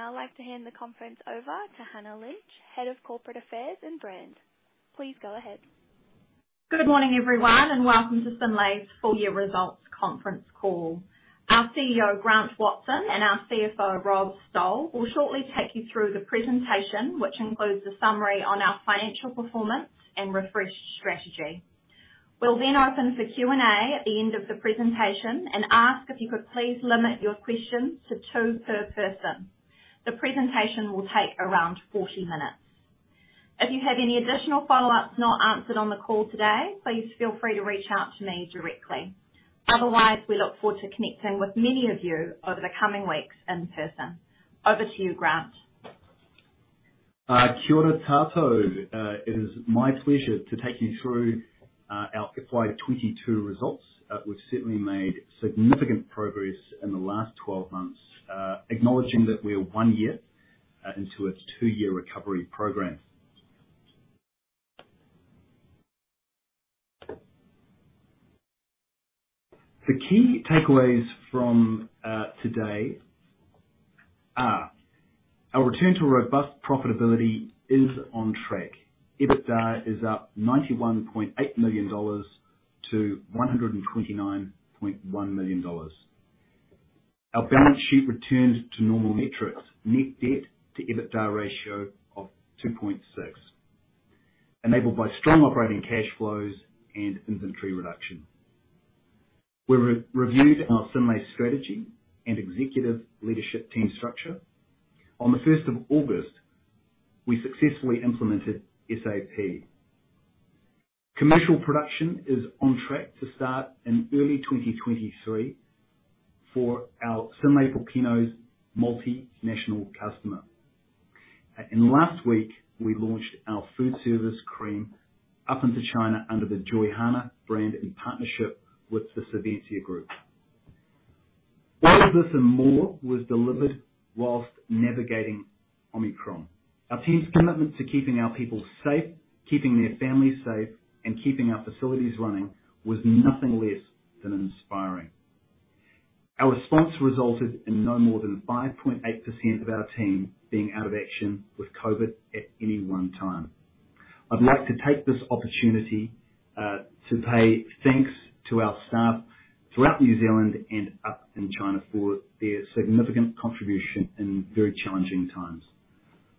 I would now like to hand the conference over to Hannah Lynch, Head of Corporate Affairs and Brand. Please go ahead. Good morning, everyone, and welcome to Synlait's full year results conference call. Our CEO, Grant Watson, and our CFO, Rob Stowell, will shortly take you through the presentation, which includes a summary on our financial performance and refreshed strategy. We'll then open for Q&A at the end of the presentation and ask if you could please limit your questions to two per person. The presentation will take around 40 minutes. If you have any additional follow-ups not answered on the call today, please feel free to reach out to me directly. Otherwise, we look forward to connecting with many of you over the coming weeks in person. Over to you, Grant. Kia ora koutou. It is my pleasure to take you through our FY 2022 results. We've certainly made significant progress in the last 12 months, acknowledging that we are one year into a two-year recovery program. The key takeaways from today are. Our return to robust profitability is on track. EBITDA is up 91.8 million dollars to 129.1 million dollars. Our balance sheet returns to normal metrics. Net debt to EBITDA ratio of 2.6, enabled by strong operating cash flows and inventory reduction. We re-reviewed our Synlait strategy and executive leadership team structure. On the first of August, we successfully implemented SAP. Commercial production is on track to start in early 2023 for our Synlait Pōkeno multinational customer. Last week, we launched our food service cream up into China under the JOYHANA brand in partnership with the Savencia Group. All of this and more was delivered while navigating Omicron. Our team's commitment to keeping our people safe, keeping their families safe, and keeping our facilities running was nothing less than inspiring. Our response resulted in no more than 5.8% of our team being out of action with COVID at any one time. I'd like to take this opportunity to pay thanks to our staff throughout New Zealand and up in China for their significant contribution in very challenging times.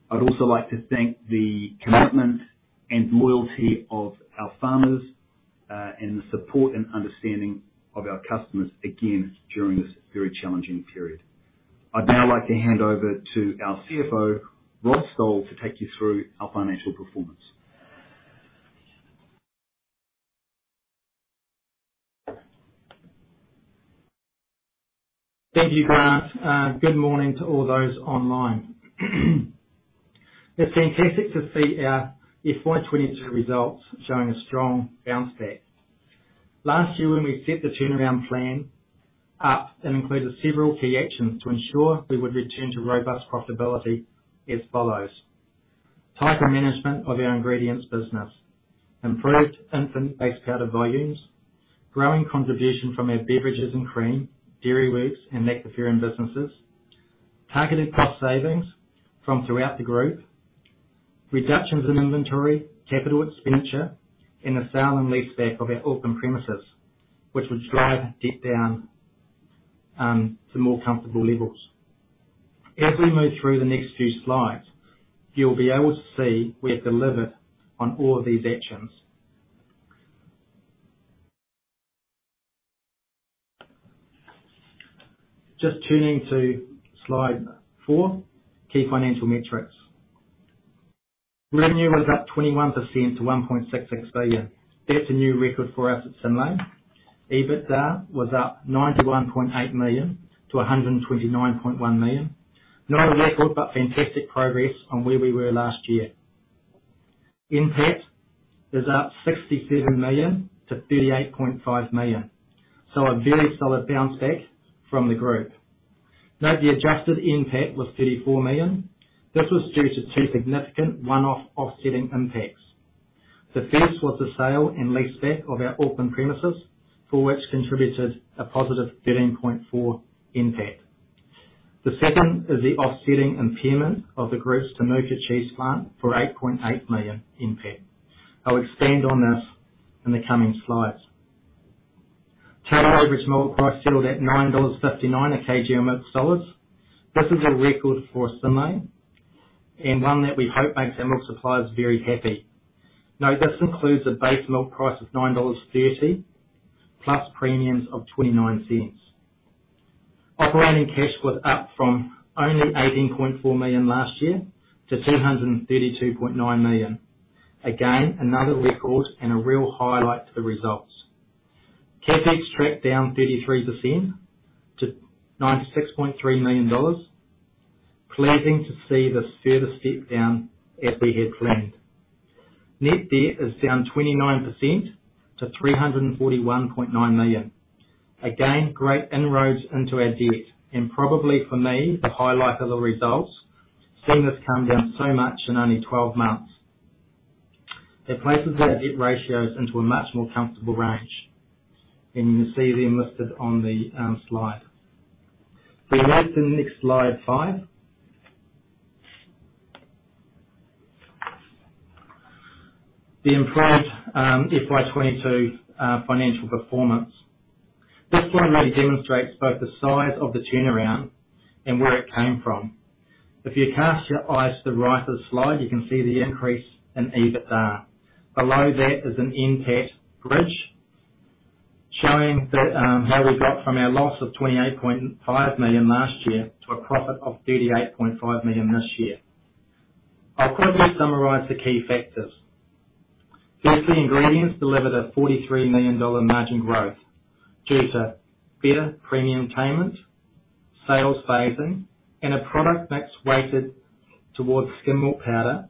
I'd also like to thank the commitment and loyalty of our farmers and the support and understanding of our customers again, during this very challenging period. I'd now like to hand over to our CFO, Rob Stowell, to take you through our financial performance. Thank you, Grant. Good morning to all those online. It's fantastic to see our FY 2022 results showing a strong bounce back. Last year when we set the turnaround plan up, it included several key actions to ensure we would return to robust profitability as follows, tighter management of our ingredients business, improved infant base powder volumes, growing contribution from our beverages and cream, Dairyworks, and lactoferrin businesses. Targeted cost savings from throughout the group, reductions in inventory, capital expenditure, and the sale and leaseback of our Auckland premises, which would drive debt down to more comfortable levels. As we move through the next few slides, you'll be able to see we have delivered on all of these actions. Just turning to slide four, key financial metrics. Revenue was up 21% to 1.66 billion. That's a new record for us at Synlait. EBITDA was up 91.8 million to 129.1 million. Not a record, but fantastic progress on where we were last year. NPAT is up 67 million to 38.5 million, so a very solid bounce back from the group. Note the adjusted NPAT was 34 million. This was due to two significant one-off offsetting impacts. The first was the sale and leaseback of our Auckland premises, for which contributed a positive 13.4 million NPAT. The second is the offsetting impairment of the group's Temuka cheese plant for 8.8 million NPAT. I'll expand on this in the coming slides. Total average milk price settled at 9.59 dollars a kg of milk solids. This is a record for Synlait and one that we hope makes our milk suppliers very happy. Note, this includes a base milk price of 9.30 dollars, plus premiums of 0.29. Operating cash was up from only 18.4 million last year to 232.9 million. Again, another record and a real highlight to the results. CapEx tracked down 33% to 96.3 million dollars. Pleasing to see this further step down as we had planned. Net debt is down 29% to 341.9 million. Again, great inroads into our debt and probably for me, the highlight of the results, seeing this come down so much in only 12 months. It places our debt ratios into a much more comfortable range, and you can see they're listed on the slide. We move to the next slide 5. The improved FY 2022 financial performance. This one really demonstrates both the size of the turnaround and where it came from. If you cast your eyes to the right of the slide, you can see the increase in EBITDA. Below that is an NPAT bridge, showing that, how we got from our loss of 28.5 million last year to a profit of 38.5 million this year. I'll quickly summarize the key factors. Firstly, Ingredients delivered a 43 million dollar margin growth due to better premium payment, sales phasing, and a product mix weighted towards skim milk powder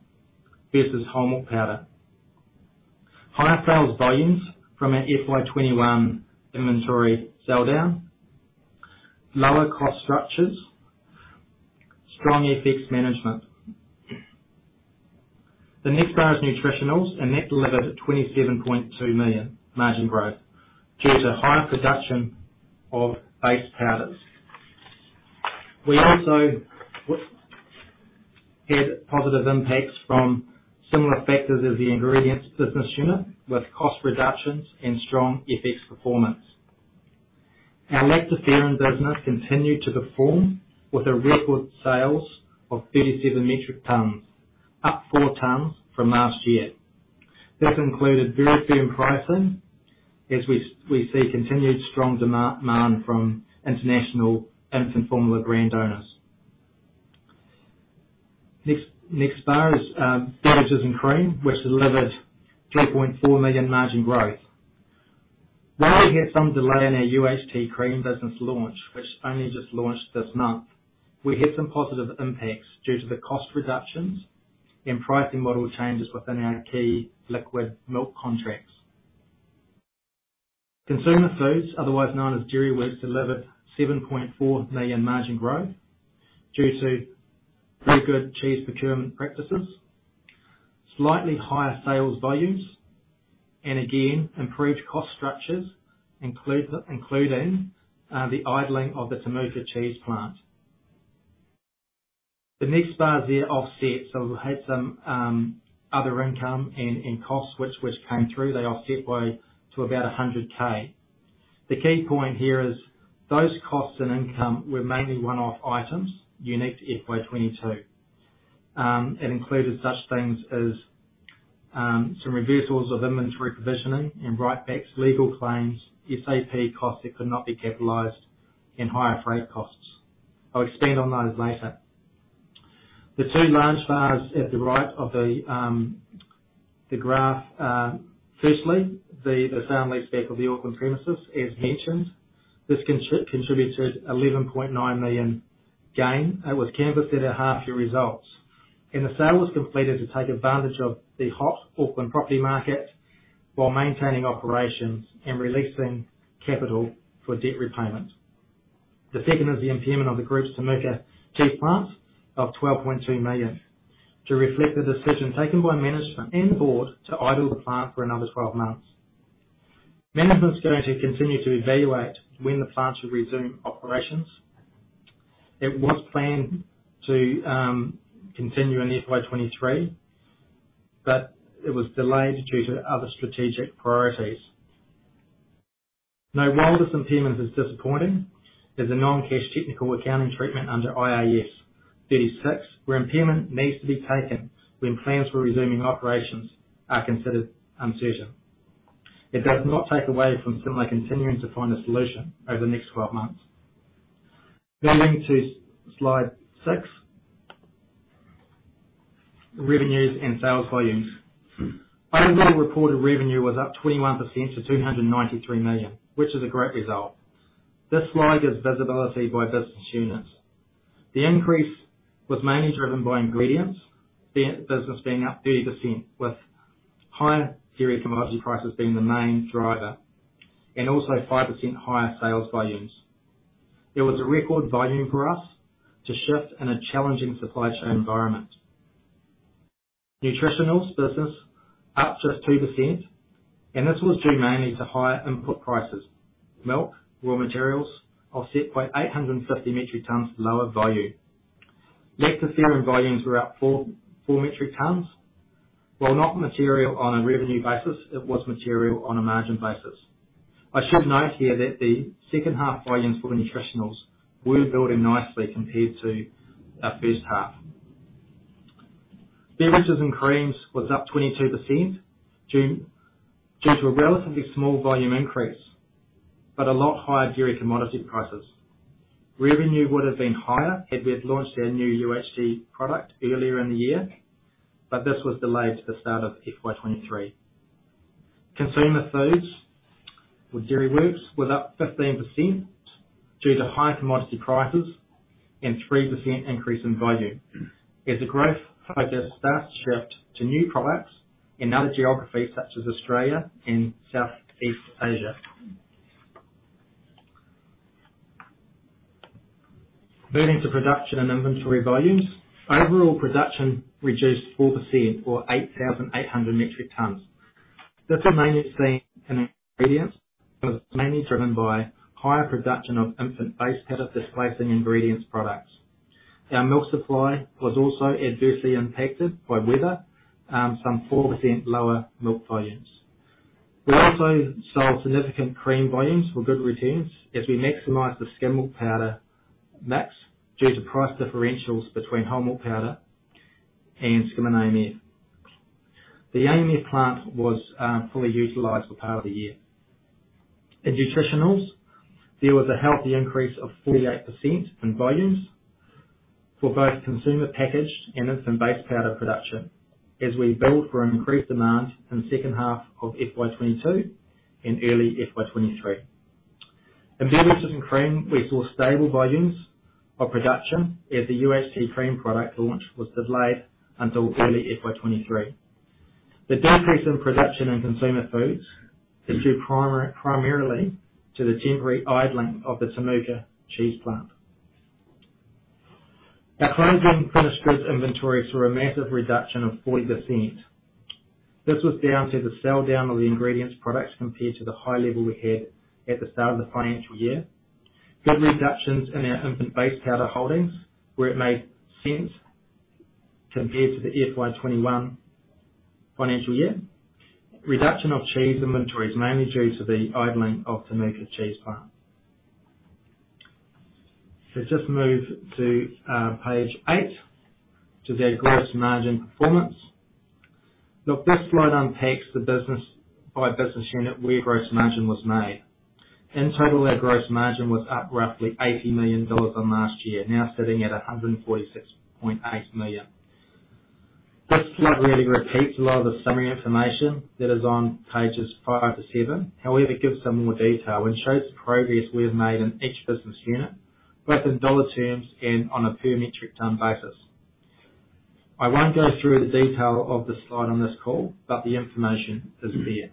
versus whole milk powder. Higher sales volumes from our FY 2021 inventory sell down, lower cost structures, strong FX management. The next bar is Nutritionals, and that delivered a 27.2 million margin growth due to higher production of base powders. We also had positive impacts from similar factors as the Ingredients business unit with cost reductions and strong FX performance. Our lactoferrin business continued to perform with a record sales of 37 metric tons, up 4 tons from last year. This included very firm pricing as we see continued strong demand from international infant formula brand owners. Next bar is Beverages and Cream, which delivered 3.4 million margin growth. While we had some delay in our UHT cream business launch, which only just launched this month, we had some positive impacts due to the cost reductions and pricing model changes within our key liquid milk contracts. Consumer Foods, otherwise known as Dairyworks, delivered 7.4 million margin growth due to very good cheese procurement practices, slightly higher sales volumes and again, improved cost structures, including the idling of the Temuka cheese plant. The next bar there offsets. We had some other income and costs which came through. They offset to about 100,000. The key point here is those costs and income were mainly one-off items unique to FY 2022. It included such things as some reversals of inventory positioning and write backs, legal claims, SAP costs that could not be capitalized and higher freight costs. I'll expand on those later. The two large bars at the right of the graph. Firstly, the sale and leaseback of the Auckland premises, as mentioned. This contributed 11.9 million gain. It was canvassed at our half year results, and the sale was completed to take advantage of the hot Auckland property market while maintaining operations and releasing capital for debt repayment. The second is the impairment of the group's Temuka cheese plant of 12.2 million to reflect the decision taken by management and the board to idle the plant for another 12 months. Management's going to continue to evaluate when the plant should resume operations. It was planned to continue in FY 2023, but it was delayed due to other strategic priorities. Now, while this impairment is disappointing, there's a non-cash technical accounting treatment under IAS 36, where impairment needs to be taken when plans for resuming operations are considered uncertain. It does not take away from Synlait continuing to find a solution over the next 12 months. Going to slide 6. Revenues and sales volumes. Overall reported revenue was up 21% to 293 million, which is a great result. This slide gives visibility by business units. The increase was mainly driven by Ingredients. The business being up 30% with higher dairy commodity prices being the main driver and also 5% higher sales volumes. It was a record volume for us to shift in a challenging supply chain environment. Nutritionals business up just 2% and this was due mainly to higher input prices. Milk, raw materials offset by 850 metric tons lower volume. Lactoferrin volumes were up 4 metric tons. While not material on a revenue basis, it was material on a margin basis. I should note here that the second half volumes for Nutritionals were building nicely compared to our first half. Beverages and Creams was up 22% due to a relatively small volume increase, but a lot higher dairy commodity prices. Revenue would have been higher had we have launched our new UHT product earlier in the year, but this was delayed to the start of FY 2023. Consumer Foods or Dairyworks was up 15% due to higher commodity prices and 3% increase in volume. As the growth focus starts to shift to new products in other geographies such as Australia and Southeast Asia. Moving to production and inventory volumes. Overall production reduced 4% or 8,800 metric tons. This is mainly seen in ingredients, but mainly driven by higher production of infant based powder displacing ingredients products. Our milk supply was also adversely impacted by weather, some 4% lower milk volumes. We also sold significant cream volumes for good returns as we maximize the skim milk powder mix due to price differentials between whole milk powder and skim AMF. The AMF plant was fully utilized for part of the year. In Nutritionals, there was a healthy increase of 48% in volumes for both consumer packaged and infant based powder production as we build for an increased demand in second half of FY 2022 and early FY 2023. In beverages and cream, we saw stable volumes of production as the UHT cream product launch was delayed until early FY 2023. The decrease in production and consumer foods is due primarily to the temporary idling of the Temuka cheese plant. Now, closing finished goods inventory saw a massive reduction of 40%. This was down to the sell down of the ingredients products compared to the high level we had at the start of the financial year. Good reductions in our infant based powder holdings where it made sense compared to the FY 2021 financial year. Reduction of cheese inventories, mainly due to the idling of Temuka cheese plant. Let's just move to page 8 to our gross margin performance. Look, this slide unpacks the business by business unit where gross margin was made. In total, our gross margin was up roughly 80 million dollars on last year, now sitting at 146.8 million. This slide really repeats a lot of the summary information that is on pages 5 to 7, however, it gives some more detail and shows the progress we have made in each business unit, both in dollar terms and on a per metric ton basis. I won't go through the detail of this slide on this call, but the information is there.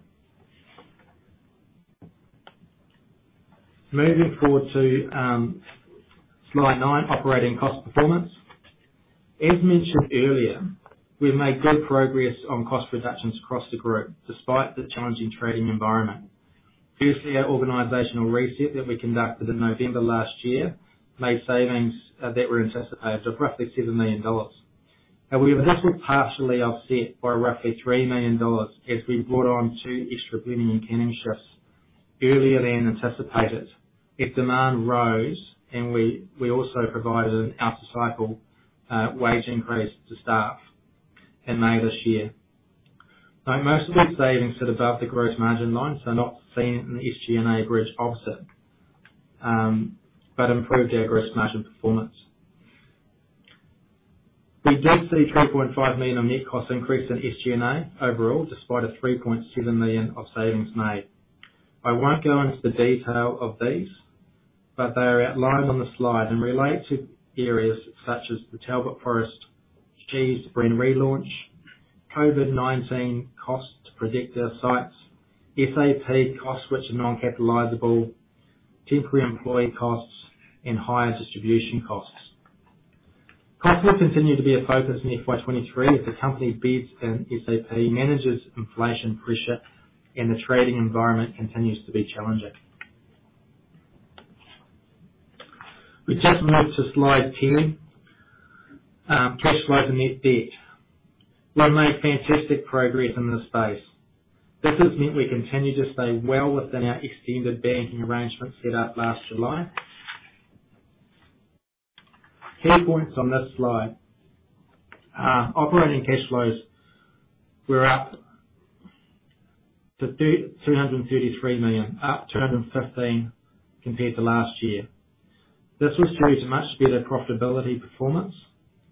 Moving forward to slide 9, operating cost performance. As mentioned earlier, we've made good progress on cost reductions across the group despite the challenging trading environment. Firstly, our organizational reset that we conducted in November last year made savings that were anticipated of roughly 7 million dollars. We've also partially offset by roughly 3 million dollars as we brought on two extra cleaning and canning shifts earlier than anticipated if demand rose, and we also provided an out of cycle wage increase to staff in May this year. Now, most of these savings sit above the gross margin line, so not seen in the SG&A bridge offset, but improved our gross margin performance. We did see 3.5 million of net cost increase in SG&A overall, despite 3.7 million of savings made. I won't go into the detail of these, but they are outlined on the slide and relate to areas such as the Talbot Forest cheese brand relaunch, COVID-19 costs to protect our sites, SAP costs which are non-capitalizable, temporary employee costs and higher distribution costs. Costs will continue to be a focus in FY 2023 as the company implements SAP and manages inflation pressure, and the trading environment continues to be challenging. We just move to slide 10. Cash flow and net debt. Well, we made fantastic progress in this space. This has meant we continue to stay well within our extended banking arrangement set up last July. Key points on this slide. Operating cash flows were up to 333 million, up 215 compared to last year. This was due to much better profitability performance,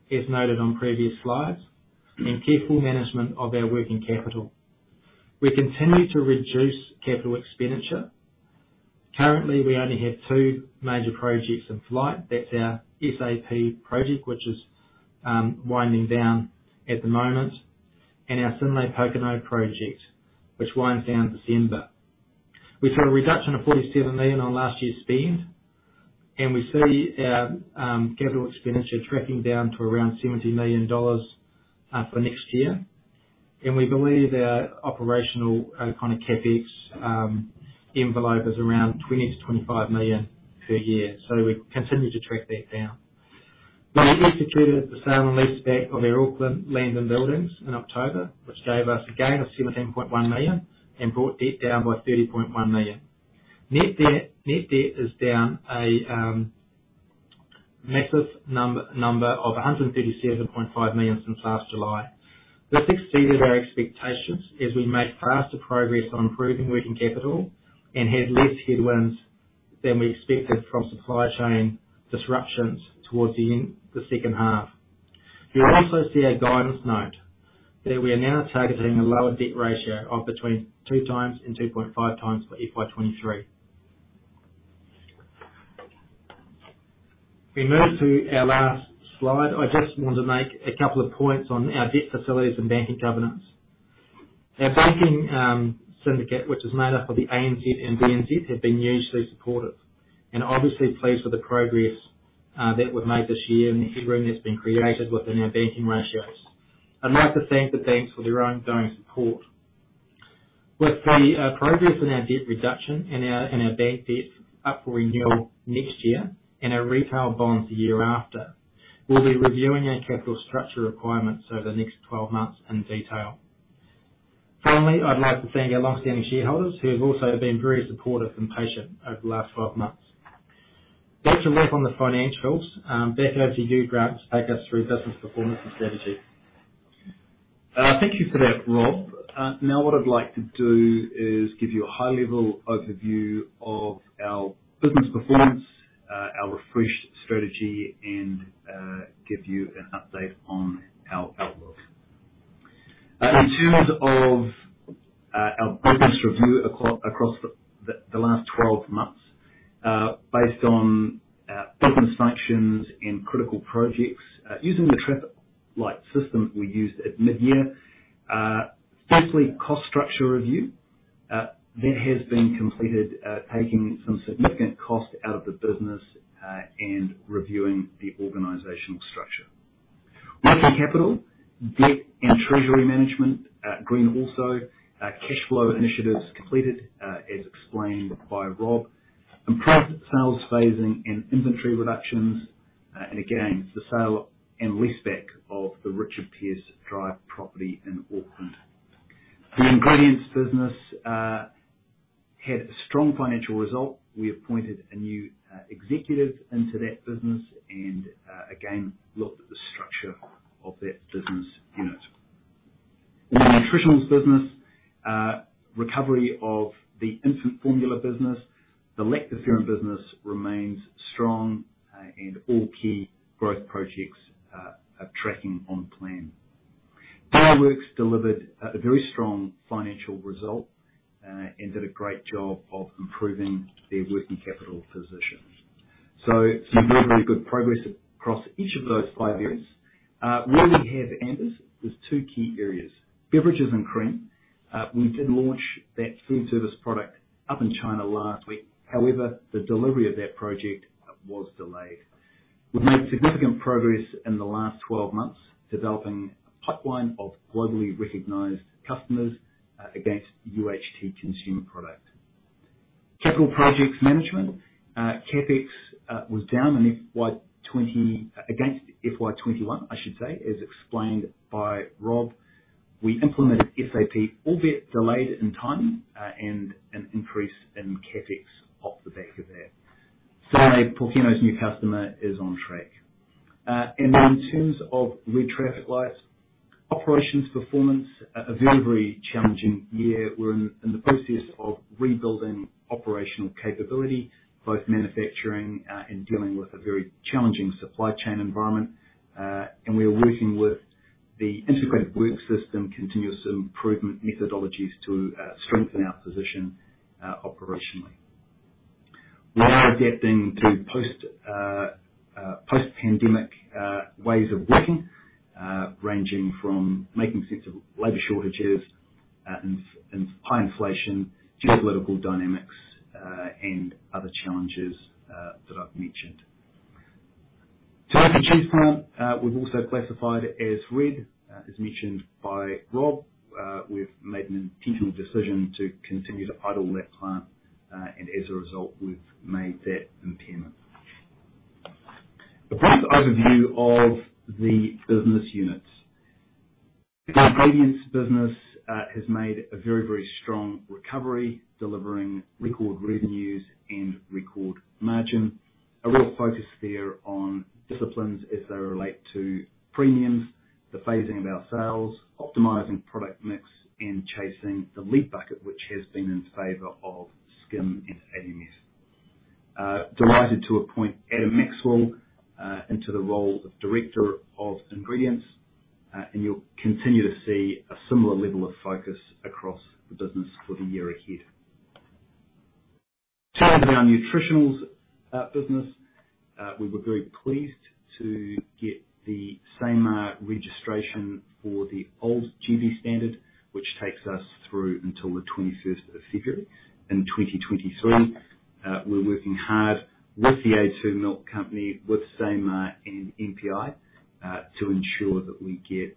as noted on previous slides, and careful management of our working capital. We continue to reduce capital expenditure. Currently, we only have two major projects in flight. That's our SAP project, which is winding down at the moment, and our Synlait Pōkeno project, which winds down December. We've had a reduction of 47 million on last year's spend, and we see our capital expenditure tracking down to around NZD 70 million for next year. We believe our operational kind of CapEx envelope is around 20 million-25 million per year. We continue to track that down. We executed the sale and leaseback of our Auckland land and buildings in October, which gave us a gain of 17.1 million and brought debt down by 30.1 million. Net debt is down a massive number of 137.5 million since last July. This exceeded our expectations as we made faster progress on improving working capital and had less headwinds than we expected from supply chain disruptions towards the end of the second half. You'll also see our guidance note that we are now targeting a lower debt ratio of between 2x and 2.5x for FY 2023. We move to our last slide. I just want to make a couple of points on our debt facilities and banking governance. Our banking syndicate, which is made up of the ANZ and BNZ, have been hugely supportive and obviously pleased with the progress that we've made this year and the headroom that's been created within our banking ratios. I'd like to thank the banks for their ongoing support. With the progress in our debt reduction and our bank debt up for renewal next year and our retail bonds the year after, we'll be reviewing our capital structure requirements over the next 12 months in detail. Finally, I'd like to thank our longstanding shareholders who have also been very supportive and patient over the last 12 months. That's a wrap on the financials. Beth over to you Grant to take us through business performance and strategy. Thank you for that, Rob. Now what I'd like to do is give you a high-level overview of our business performance, our refreshed strategy, and give you an update on our outlook. In terms of our business review across the last 12 months, based on business segments and critical projects, using the traffic light system we used at mid-year. Firstly, cost structure review. That has been completed, taking some significant cost out of the business, and reviewing the organizational structure. Working capital, debt and treasury management, green also. Cash flow initiatives completed, as explained by Rob. Improved sales phasing and inventory reductions. Again, the sale and leaseback of the Richard Pearse Drive property in Auckland. The ingredients business had a strong financial result. We appointed a new executive into that business and again looked at the structure of that business unit. In the Nutritionals business, recovery of the infant formula business. The lactoferrin business remains strong, and all key growth projects are tracking on plan. Dairyworks delivered a very strong financial result and did a great job of improving their working capital position. Some very, very good progress across each of those five areas. Where we have ambers, there's two key areas, beverages and cream. We did launch that food service product up in China last week. However, the delivery of that project was delayed. We've made significant progress in the last 12 months, developing a pipeline of globally recognized customers against UHT consumer product. Capital projects management. CapEx was down in FY 2020 Against FY 2021, I should say, as explained by Rob. We implemented SAP, albeit delayed in timing, and an increase in CapEx off the back of that. Scale of Pōkeno's new customer is on track. In terms of red traffic lights. Operations performance, a very challenging year. We're in the process of rebuilding operational capability, both manufacturing, and dealing with a very challenging supply chain environment. We are working with the integrated work system continuous improvement methodologies to strengthen our position operationally. We are adapting to post-pandemic ways of working, ranging from making sense of labor shortages, and high inflation, geopolitical dynamics, and other challenges that I've mentioned. Talbot cheese plant, we've also classified as red. As mentioned by Rob, we've made an intentional decision to continue to idle that plant, and as a result, we've made that impairment. A brief overview of the business units. The Ingredients business has made a very, very strong recovery, delivering record revenues and record margin. A real focus there on disciplines as they relate to premiums, the phasing of our sales, optimizing product mix, and chasing the lead bucket, which has been in favor of skim and Edam. Delighted to appoint Adam Maxwell into the role of Director of Ingredients, and you'll continue to see a similar level of focus across the business for the year ahead. In terms of our Nutritionals business, we were very pleased to get the SAMR registration for the old GB standard, which takes us through until the twenty-first of February in 2023. We're working hard with the The a2 Milk Company, with SAMR and NPI, to ensure that we get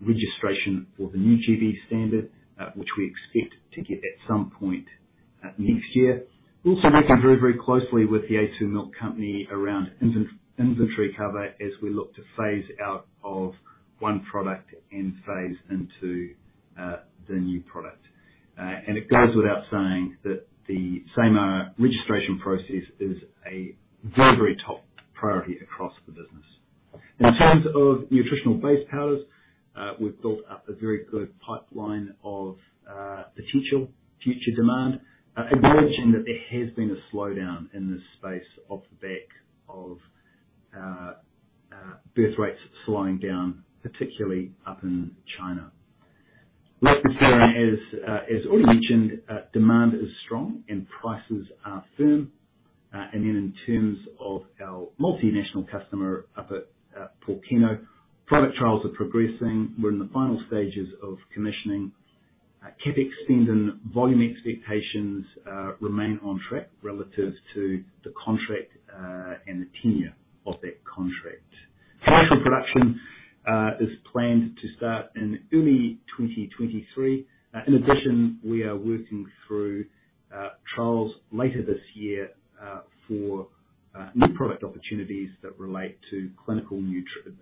registration for the new GB standard, which we expect to get at some point next year. Also working very, very closely with the The a2 Milk Company around inventory cover as we look to phase out of one product and phase into the new product. It goes without saying that the SAMR registration process is a very, very top priority across the business. In terms of nutritional base powders, we've built up a very good pipeline of potential future demand, acknowledging that there has been a slowdown in this space off the back of birth rates slowing down, particularly up in China. Lactoferrin, as already mentioned, demand is strong and prices are firm. In terms of our multinational customer up at Pōkeno, product trials are progressing. We're in the final stages of commissioning. CapEx spend and volume expectations remain on track relative to the contract and the tenure of that contract. Commercial production is planned to start in early 2023. In addition, we are working through trials later this year for new product opportunities that relate to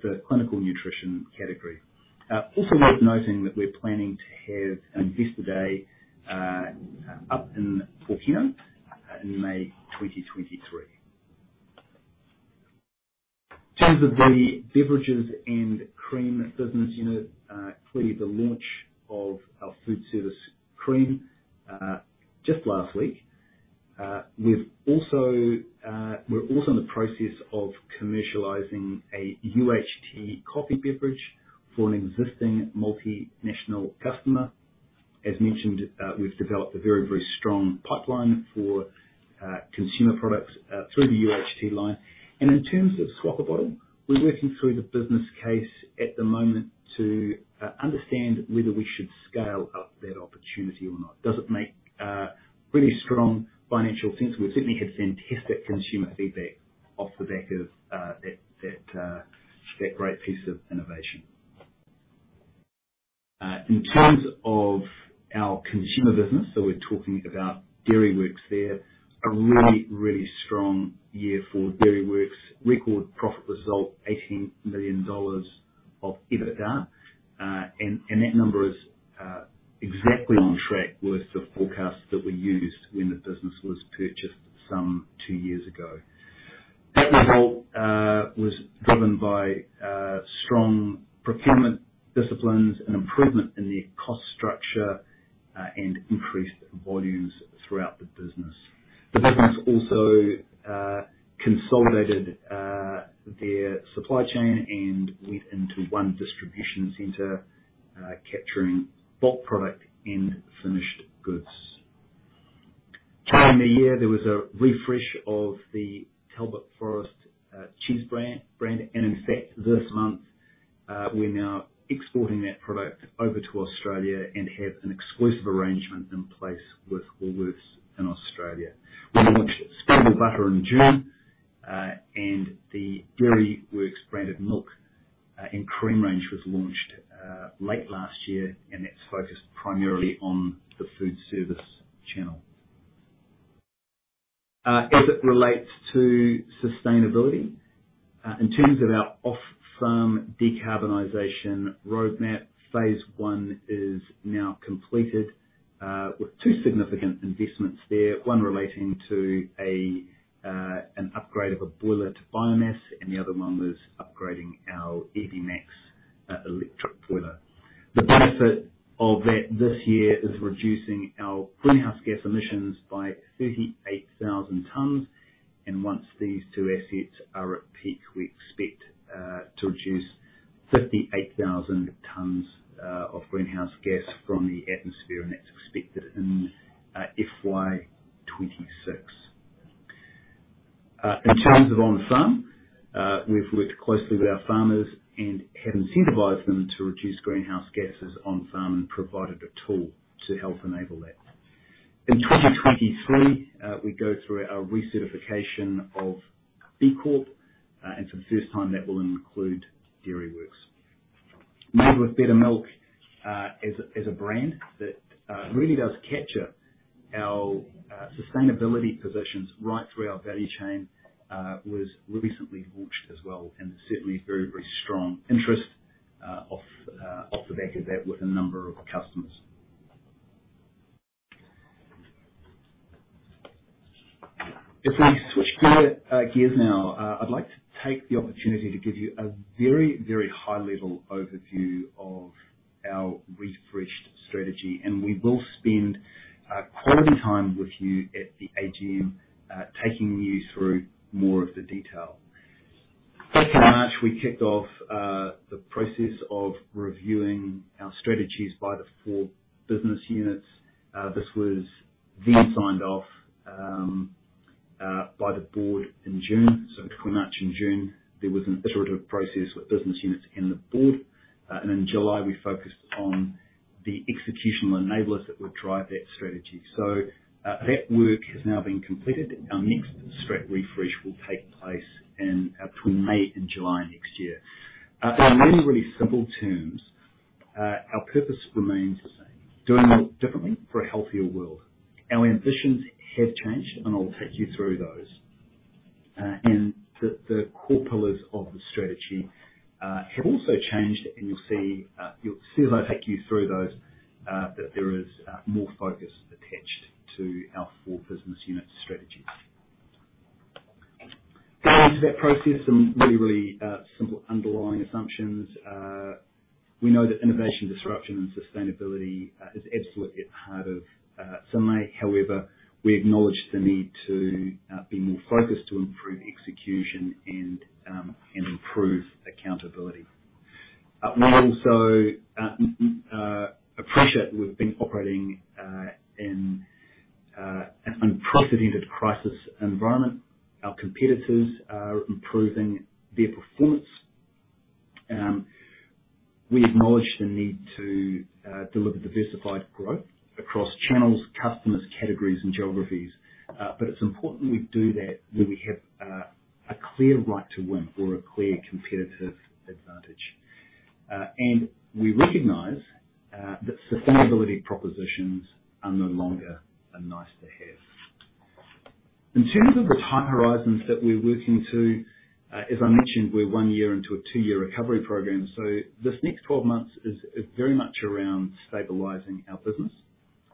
the clinical nutrition category. Also worth noting that we're planning to have an investor day up in Pōkeno in May 2023. In terms of the beverages and cream business unit, clearly the launch of our food service cream just last week. We're also in the process of commercializing a UHT coffee beverage for an existing multinational customer. As mentioned, we've developed a very, very strong pipeline for consumer products through the UHT line. In terms of Swap-a-Bottle, we're working through the business case at the moment to understand whether we should scale up that opportunity or not. Does it make really strong financial sense? We certainly have seen positive consumer feedback off the back of that great piece of innovation. In terms of our consumer business, so we're talking about Dairyworks there. A really, really strong year for Dairyworks. Record profit result, 18 million dollars of EBITDA. That number is exactly on track with the forecast that we used when the business was purchased some two years ago. That result was driven by strong procurement disciplines and improvement in their cost structure and increased volumes throughout the business. The business also consolidated their supply chain and went into one distribution center capturing bulk product and finished goods. During the year, there was a refresh of the Talbot Forest cheese brand. In fact, this month we're now exporting that product over to Australia and have an exclusive arrangement in place with Woolworths in Australia. We launched table butter in June and the Dairyworks branded milk and cream range was launched late last year, and that's focused primarily on the food service channel. As it relates to sustainability in terms of our off-farm decarbonization roadmap, phase one is now completed with two significant investments there. One relating to an upgrade of a boiler to biomass, and the other one was upgrading our Evimax electric boiler. The benefit of that this year is reducing our greenhouse gas emissions by 38,000 tons. Once these two assets are at peak, we expect to reduce 58,000 tons of greenhouse gas from the atmosphere, and that's expected in FY 2026. In terms of on-farm, we've worked closely with our farmers and have incentivized them to reduce greenhouse gases on-farm and provided a tool to help enable that. In 2023, we go through a recertification of B Corp, and for the first time, that will include Dairyworks. Made with Better Milk, as a brand that really does capture our sustainability positions right through our value chain, was recently launched as well, and certainly very, very strong interest off the back of that with a number of customers. If we switch gears now, I'd like to take the opportunity to give you a very, very high-level overview of our refreshed strategy, and we will spend quality time with you at the AGM, taking you through more of the detail. Back in March, we kicked off the process of reviewing our strategies by the four business units. This was then signed off by the board in June. Between March and June, there was an iterative process with business units and the board. In July, we focused on the executional enablers that would drive that strategy. That work has now been completed. Our next strat refresh will take place between May and July next year. In really simple terms, our purpose remains the same, doing milk differently for a healthier world. Our ambitions have changed, and I'll take you through those. The core pillars of the strategy have also changed. You'll see as I take you through those that there is more focus attached to our four business unit strategies. Getting into that process, some really simple underlying assumptions. We know that innovation, disruption, and sustainability is absolutely at the heart of Synlait. However, we acknowledge the need to be more focused to improve execution and improve accountability. We also appreciate we've been operating in an unprecedented crisis environment. Our competitors are improving their performance. We acknowledge the need to deliver diversified growth across channels, customers, categories and geographies. It's important we do that where we have a clear right to win or a clear competitive advantage. We recognize that sustainability propositions are no longer a nice to have. In terms of the time horizons that we're working to, as I mentioned, we're one year into a two-year recovery program. This next 12 months is very much around stabilizing our business.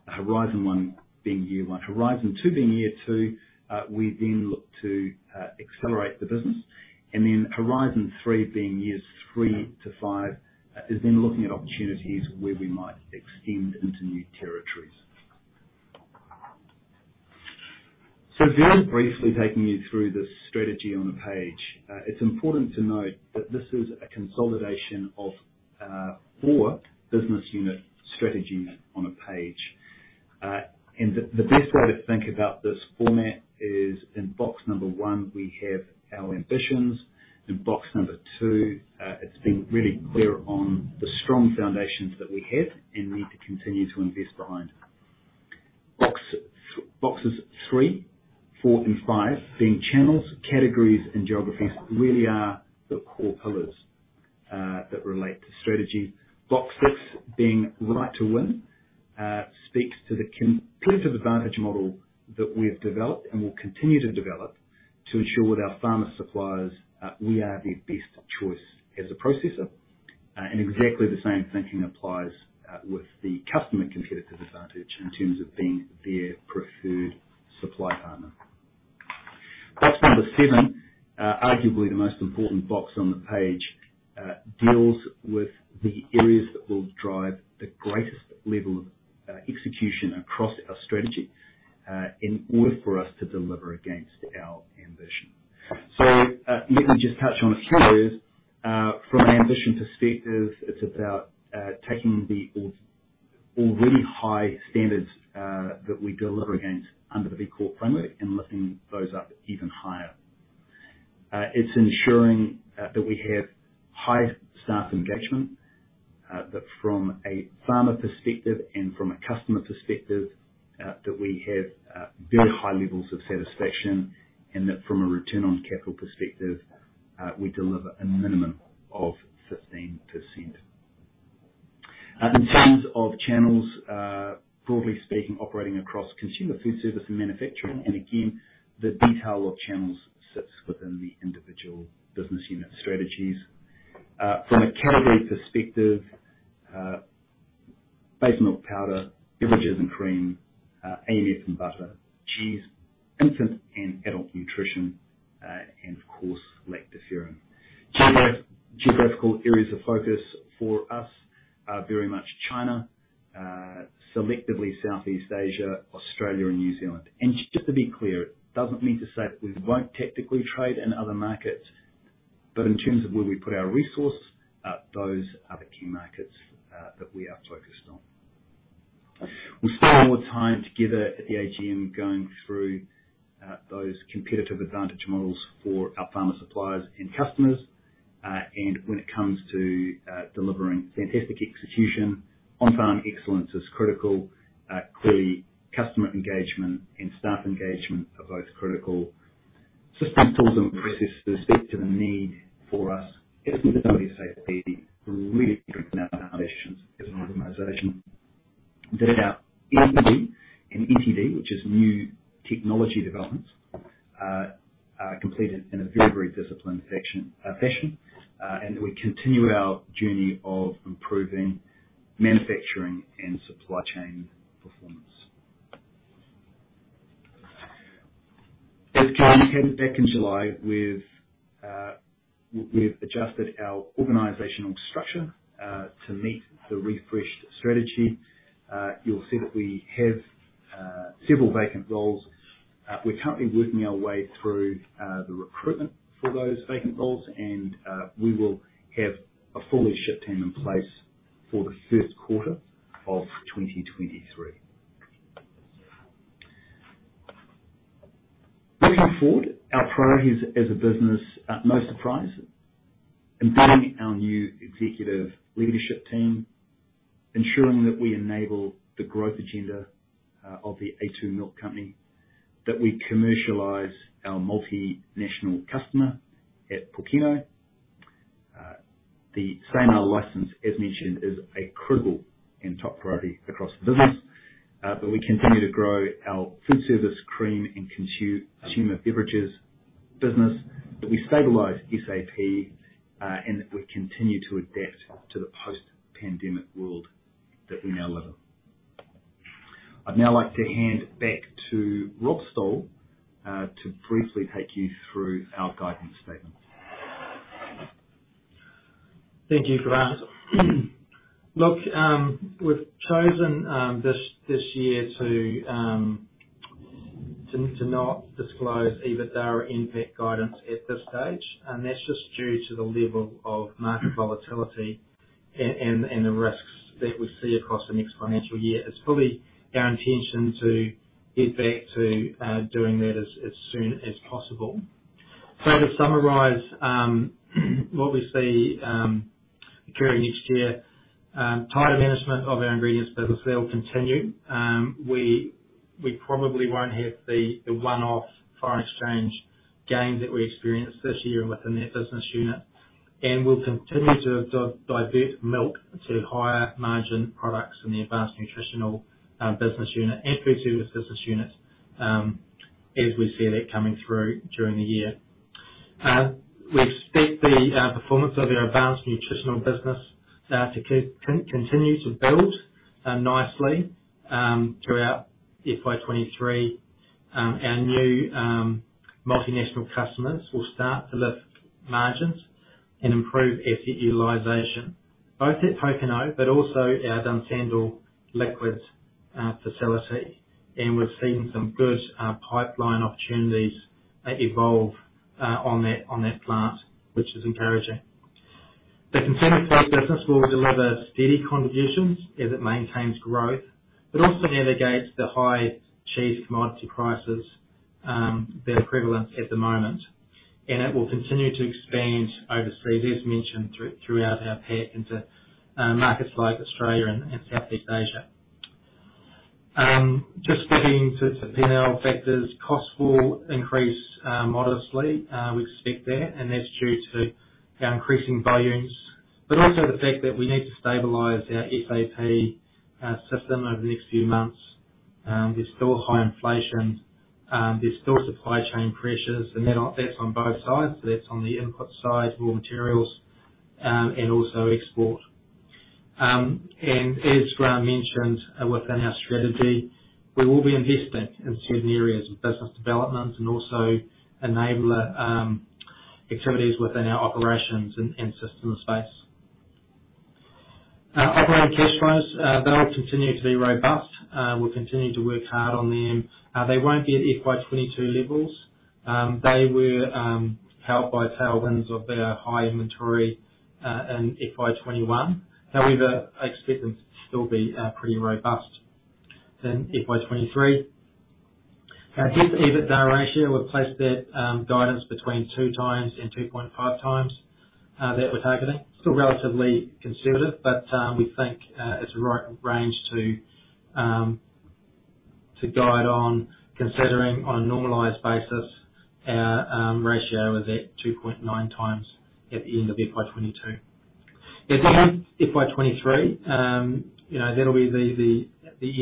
Horizon one being year one, horizon two being year two, we then look to accelerate the business. Horizon three being years three to five is then looking at opportunities where we might extend into new territories. Very briefly taking you through the strategy on the page. It's important to note that this is a consolidation of four business unit strategies on a page. The best way to think about this format is in box number one, we have our ambitions. In box number two, it's been really clear on the strong foundations that we have and need to continue to invest behind. Boxes three, four, and five, being channels, categories and geographies, really are the core pillars that relate to strategy. Box six being right to win speaks to the competitive advantage model that we've developed and will continue to develop to ensure with our farmer suppliers we are their best choice as a processor. Exactly the same thinking applies with the customer competitive advantage in terms of being their preferred supply partner. Box number seven arguably the most important box on the page deals with the areas that will drive the greatest level of execution across our strategy in order for us to deliver against our ambition. Let me just touch on a few areas. From an ambition perspective, it's about taking the already high standards that we deliver against under the B Corp framework and lifting those up even higher. It's ensuring that we have high staff engagement, that from a farmer perspective and from a customer perspective, that we have very high levels of satisfaction. That from a return on capital perspective, we deliver a minimum of 15%. In terms of channels, broadly speaking, operating across consumer food service and manufacturing, and again, the detail of channels sits within the individual business unit strategies. From a category perspective, base milk powder, beverages and cream, AMF and butter, cheese, infant and adult nutrition, and of course lactoferrin. Geographical areas of focus for us are very much China, selectively Southeast Asia, Australia and New Zealand. Just to be clear, it doesn't mean to say that we won't technically trade in other markets, but in terms of where we put our resource, those are the key markets that we are focused on. We'll spend more time together at the AGM going through those competitive advantage models for our farmer suppliers and customers. When it comes to delivering fantastic execution, on-farm excellence is critical. Clearly customer engagement and staff engagement are both critical. Systems, tools and processes speak to the need for us as we introduce SAP, really strengthen our foundations as an organization. That our R&D and NTD, which is new technology developments, are completed in a very, very disciplined fashion. That we continue our journey of improving manufacturing and supply chain performance. As communicated back in July, we've adjusted our organizational structure to meet the refreshed strategy. You'll see that we have several vacant roles. We're currently working our way through the recruitment for those vacant roles and we will have a fully staffed team in place for the first quarter of 2023. Looking forward, our priorities as a business, no surprise, embedding our new executive leadership team, ensuring that we enable the growth agenda of the The a2 Milk Company, that we commercialize our multinational customer at Pōkeno. The SAMR license, as mentioned, is a critical and top priority across the business. But we continue to grow our food service, cream, and consumer beverages business, that we stabilize SAP, and that we continue to adapt to the post-pandemic world that we now live in. I'd now like to hand back to Rob Stowell to briefly take you through our guidance statements. Thank you, Grant. Look, we've chosen this year to not disclose EBITDA impact guidance at this stage, and that's just due to the level of market volatility and the risks that we see across the next financial year. It's fully our intention to get back to doing that as soon as possible. To summarize, what we see during next year, tighter management of our ingredients business will continue. We probably won't have the one-off foreign exchange gain that we experienced this year within that business unit, and we'll continue to divert milk to higher margin products in the advanced nutritional business unit and food service business unit, as we see that coming through during the year. We expect the performance of our advanced nutritional business to continue to build nicely throughout FY 2023. Our new multinational customers will start to lift margins and improve asset utilization, both at Pōkeno but also our Dunsandel liquids facility. We're seeing some good pipeline opportunities evolve on that plant, which is encouraging. The consumer food business will deliver steady contributions as it maintains growth, but also mitigates the high cheese commodity prices that are prevalent at the moment. It will continue to expand overseas, as mentioned throughout our path into markets like Australia and Southeast Asia. Just digging into P&L factors, costs will increase modestly, we expect that, and that's due to our increasing volumes, but also the fact that we need to stabilize our SAP system over the next few months. There's still high inflation, there's still supply chain pressures, and that's on both sides. That's on the input side, raw materials, and also export. As Grant mentioned, within our strategy, we will be investing in certain areas of business development and also enabler activities within our operations and systems space. Operating cash flows, they'll continue to be robust, we'll continue to work hard on them. They won't be at FY 2022 levels. They were helped by tailwinds of our high inventory in FY 2021. However, I expect them to still be pretty robust in FY 2023. Our debt-to-EBITDA ratio, we've placed that guidance between 2x and 2.5x that we're targeting. Still relatively conservative, but we think it's the right range to guide on considering on a normalized basis our ratio is at 2.9x at the end of FY 2022. In FY 2023, you know, that'll be the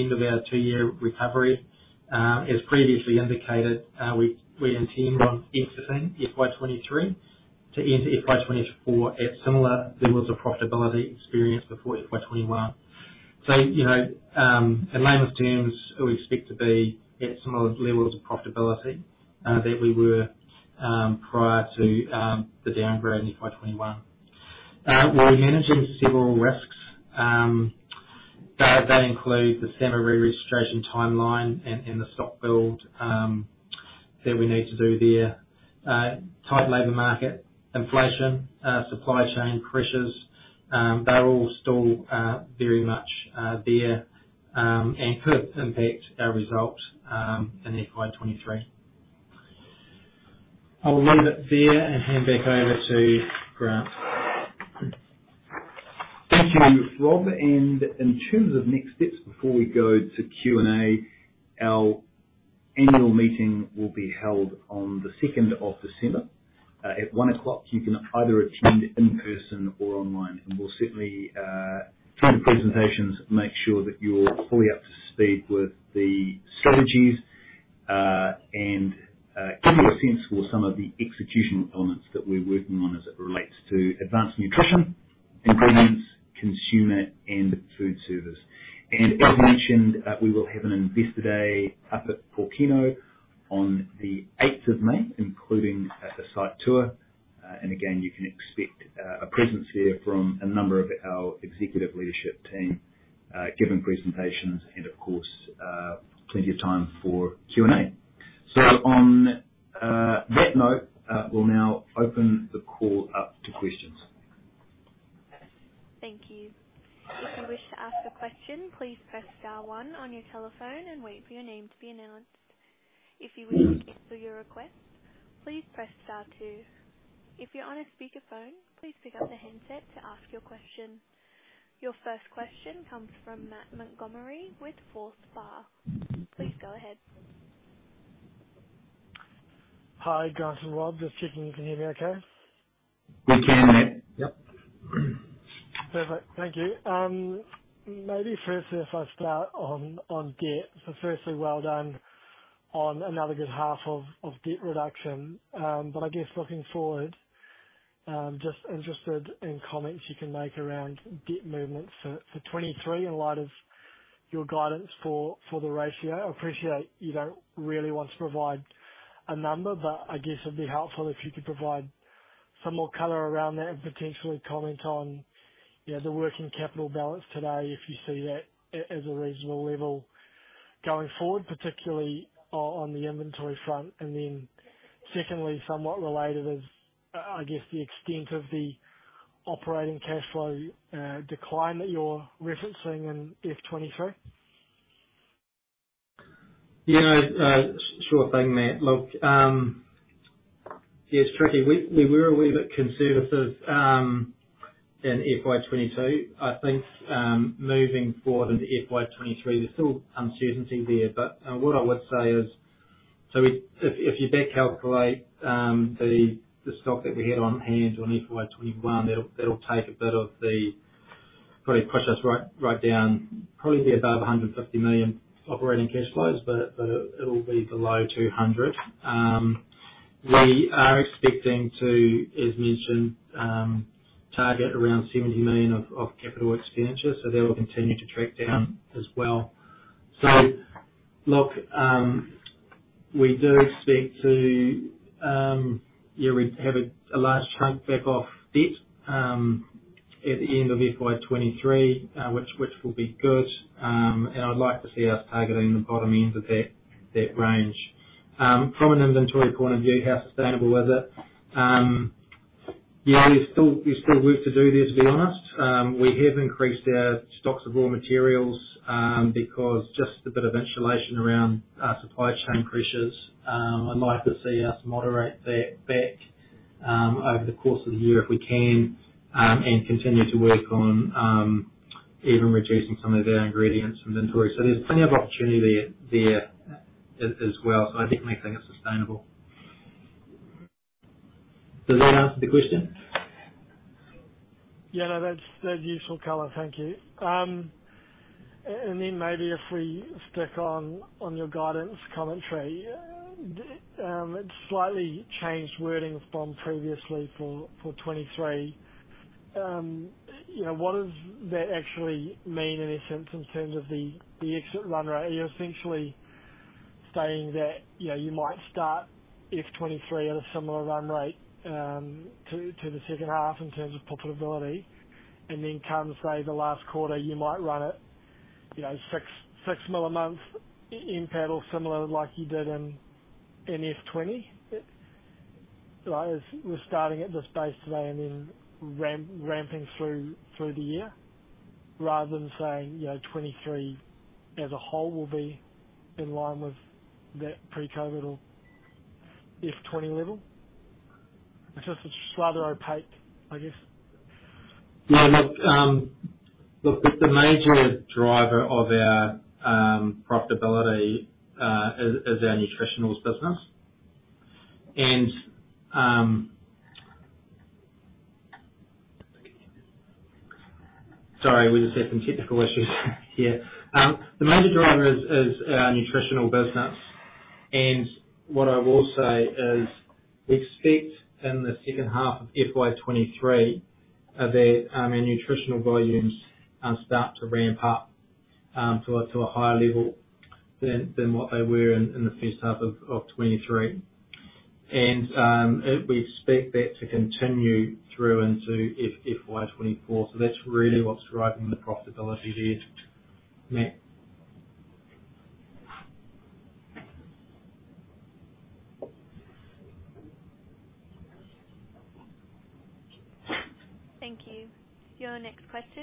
end of our two-year recovery. As previously indicated, we intend on exiting FY 2023 to enter FY 2024 at similar levels of profitability experienced before FY 2021. You know, in layman's terms, we expect to be at similar levels of profitability that we were prior to the downgrade in FY 2021. We're managing several risks that include the SAMR re-registration timeline and the stock build that we need to do there. Tight labor market, inflation, supply chain pressures, they're all still very much there and could impact our results in FY 2023. I will leave it there and hand back over to Grant. Thank you, Rob. In terms of next steps before we go to Q&A, our annual meeting will be held on the second of December at 1:00 P.M. You can either attend in person or online. We'll certainly through the presentations make sure that you're fully up to speed with the strategies and give you a sense for some of the executional elements that we're working on as it relates to advanced nutrition, ingredients, consumer, and food service. As mentioned, we will have an investor day up at Pōkeno on the eighth of May, including a site tour. Again, you can expect a presence there from a number of our executive leadership team giving presentations and of course plenty of time for Q&A. On that note, we'll now open the call up to questions. Thank you. If you wish to ask a question, please press star one on your telephone and wait for your name to be announced. If you wish to cancel your request, please press star two. If you're on a speakerphone, please pick up the handset to ask your question. Your first question comes from Matt Montgomery with Forsyth Barr. Please go ahead. Hi, Grant and Rob. Just checking you can hear me okay. We can, Matt. Yep. Perfect. Thank you. Maybe firstly if I start on debt. Well done on another good half of debt reduction. I guess looking forward, just interested in comments you can make around debt movements for 2023 in light of your guidance for the ratio. I appreciate you don't really want to provide a number, but I guess it'd be helpful if you could provide some more color around that and potentially comment on, you know, the working capital balance today, if you see that as a reasonable level going forward, particularly on the inventory front. Secondly, somewhat related is, I guess the extent of the operating cash flow decline that you're referencing in FY 2023. Sure thing, Matt. Look, yeah, it's tricky. We were a wee bit conservative in FY 2022. I think, moving forward into FY 2023, there's still uncertainty there, but what I would say is, if you back calculate the stock that we had on hand on FY 2021, that'll take a bit of the. Probably push us right down, probably be above 150 million operating cash flows, but it'll be below 200 million. We are expecting to, as mentioned, target around 70 million of capital expenditures. That will continue to track down as well. Look, we do expect to. We have a large chunk payback of debt at the end of FY 2023, which will be good. I'd like to see us targeting the bottom end of that range. From an inventory point of view, how sustainable is it? Yeah, there's still work to do there, to be honest. We have increased our stocks of raw materials because just a bit of insulation around our supply chain pressures. I'd like to see us moderate that back over the course of the year if we can, and continue to work on even reducing some of our ingredients inventory. So there's plenty of opportunity there as well. So I definitely think it's sustainable. Does that answer the question? Yeah. No, that's useful color. Thank you. Then maybe if we stick on your guidance commentary. It's slightly changed wording from previously for 2023. You know, what does that actually mean in essence, in terms of the exit run rate? Are you essentially stating that, you know, you might start FY 2023 at a similar run rate to the second half in terms of profitability? And then come, say, the last quarter, you might run it, you know, 6 million a month in EBITDA similar like you did in FY 2020? Like, as we're starting at this base today and then ramping through the year rather than saying, you know, 2023 as a whole will be in line with that pre-COVID or FY 2020 level. It's just rather opaque, I guess. Yeah. Look, the major driver of our profitability is our Nutritionals business. Sorry, we just have some technical issues here. The major driver is our Nutritionals business. What I will say is we expect in the second half of FY 2023 that our nutritional volumes start to ramp up to a higher level than what they were in the first half of 2023. We expect that to continue through into FY 2024. That's really what's driving the profitability there, Matt.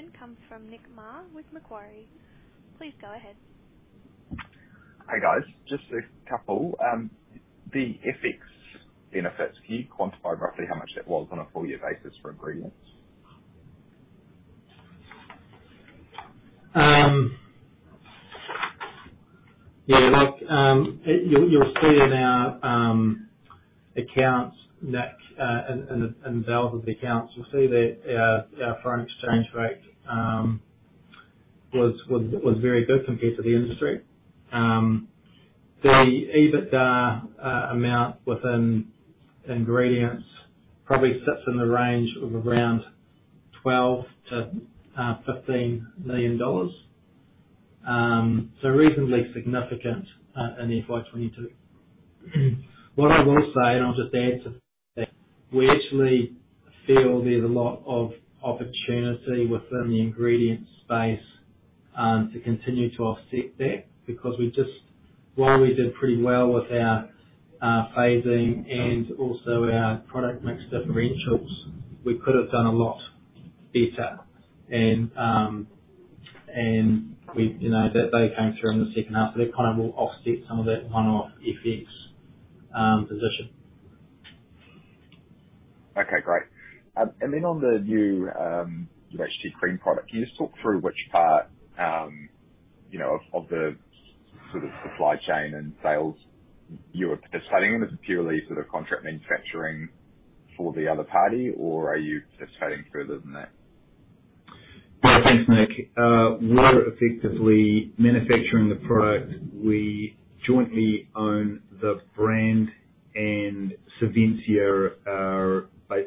Thank you. Your next question comes from Nick Mar with Macquarie. Please go ahead. Hey, guys. Just a couple. The FX benefits, can you quantify roughly how much that was on a full year basis for Ingredients? You'll see in our accounts, Nick, in the balance of the accounts, that our foreign exchange rate was very good compared to the industry. The EBITDA amount within Ingredients probably sits in the range of around 12 million-15 million dollars. Reasonably significant in FY 2022. What I will say, and I'll just add to that, we actually feel there's a lot of opportunity within the Ingredients space to continue to offset that because while we did pretty well with our phasing and also our product mix differentials, we could have done a lot better. We, you know, they came through in the second half, so that kind of will offset some of that one-off FX position. Okay, great. On the new, your UHT cream product, can you just talk through which part, you know, of the sort of supply chain and sales you are participating in? Is it purely sort of contract manufacturing for the other party, or are you participating further than that? Thanks, Nick. We're effectively manufacturing the product. We jointly own the brand, and Savencia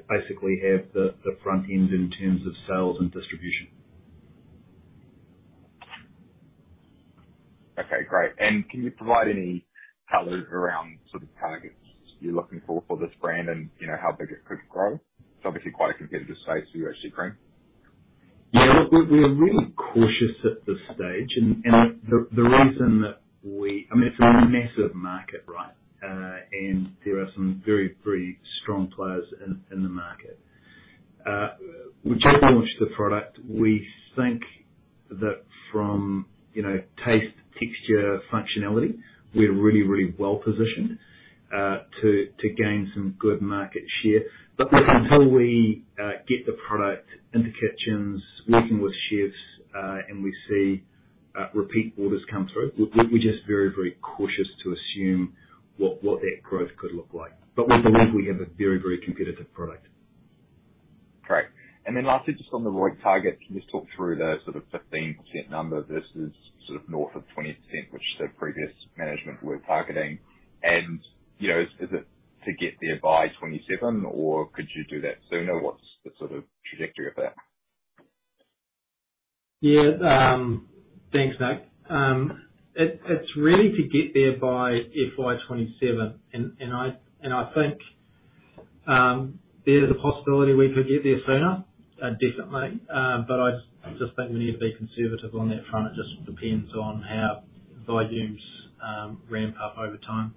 basically have the front end in terms of sales and distribution. Okay, great. Can you provide any color around sort of targets you're looking for for this brand and, you know, how big it could grow? It's obviously quite a competitive space. We actually agree. Yeah. Look, we're really cautious at this stage. I mean, it's a massive market, right? There are some very strong players in the market. We just launched the product. We think that from, you know, taste, texture, functionality, we're really well positioned to gain some good market share. Until we get the product into kitchens, working with chefs, and we see repeat orders come through, we'll be just very cautious to assume what that growth could look like. We believe we have a very competitive product. Great. Lastly, just on the ROIC target, can you just talk through the sort of 15% number versus sort of north of 20%, which the previous management were targeting? You know, is it to get there by 2027, or could you do that sooner? What's the sort of trajectory of that? Yeah. Thanks, Nick. It's really to get there by FY 2027. I think there's a possibility we could get there sooner, definitely. I just think we need to be conservative on that front. It just depends on how volumes ramp up over time.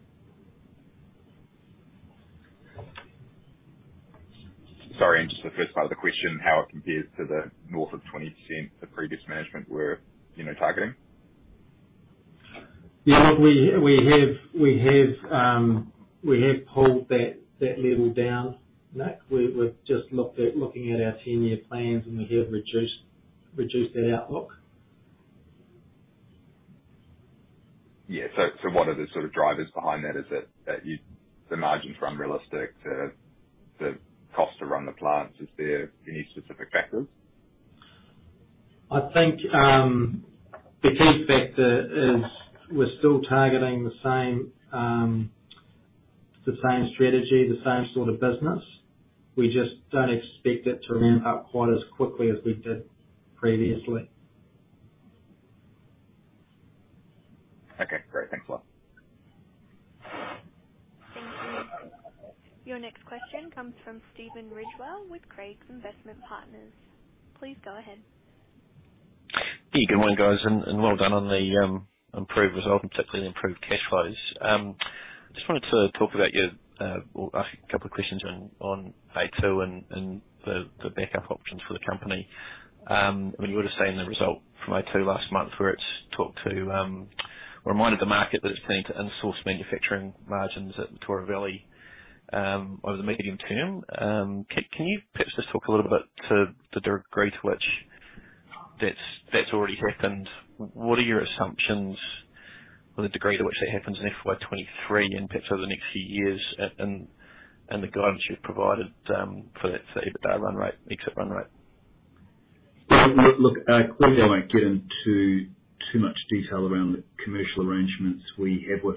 Sorry, just the first part of the question, how it compares to the north of 20% the previous management were, you know, targeting. Yeah. Look, we have pulled that level down, Nick. We're just looking at our ten-year plans, and we have reduced that outlook. Yeah. What are the sort of drivers behind that? Is it that the margins are unrealistic? The cost to run the plants? Is there any specific factors? I think, the key factor is we're still targeting the same, the same strategy, the same sort of business. We just don't expect it to ramp up quite as quickly as we did previously. Okay, great. Thanks a lot. Thank you. Your next question comes from Stephen Ridgewell with Craigs Investment Partners. Please go ahead. Yeah. Good morning, guys, and well done on the improved result and particularly the improved cash flows. Just wanted to talk about your or ask a couple of questions on a2 and the backup options for the company. I mean, you would've seen the result from a2 last month where it's reminded the market that it's planning to insource manufacturing margins at Mataura Valley over the medium term. Can you perhaps just talk a little bit to the degree to which that's already happened? What are your assumptions or the degree to which that happens in FY 2023 and perhaps over the next few years and the guidance you've provided for that, for EBITDA run rate, exit run rate? Look, clearly I won't get into too much detail around the commercial arrangements we have with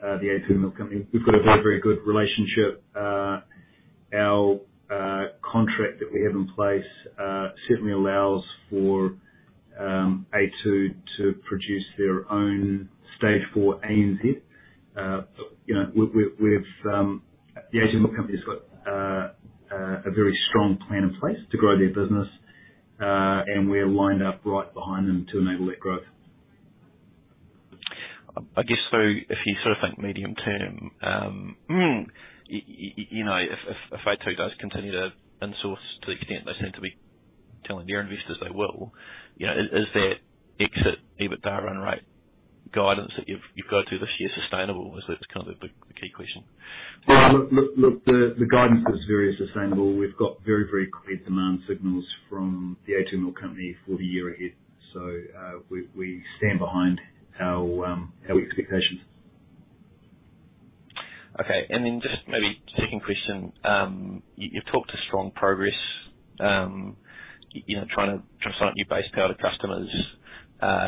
the The a2 Milk Company. We've got a very, very good relationship. Our contract that we have in place certainly allows for a2 to produce their own stage four ANZ. You know, The The a2 Milk Company's got a very strong plan in place to grow their business, and we're lined up right behind them to enable that growth. I guess so if you sort of think medium term, you know, if a2 does continue to insource to the extent they seem to be telling their investors they will, you know, is that exit EBITDA run rate guidance that you've got to this year sustainable? Is that kind of the key question? Yeah. Look, the guidance that was very sustainable. We've got very, very clear demand signals from the The a2 Milk Company for the year ahead. We stand behind our expectations. Okay. Just maybe second question. You've talked about strong progress, you know, trying to sign up new base powder customers,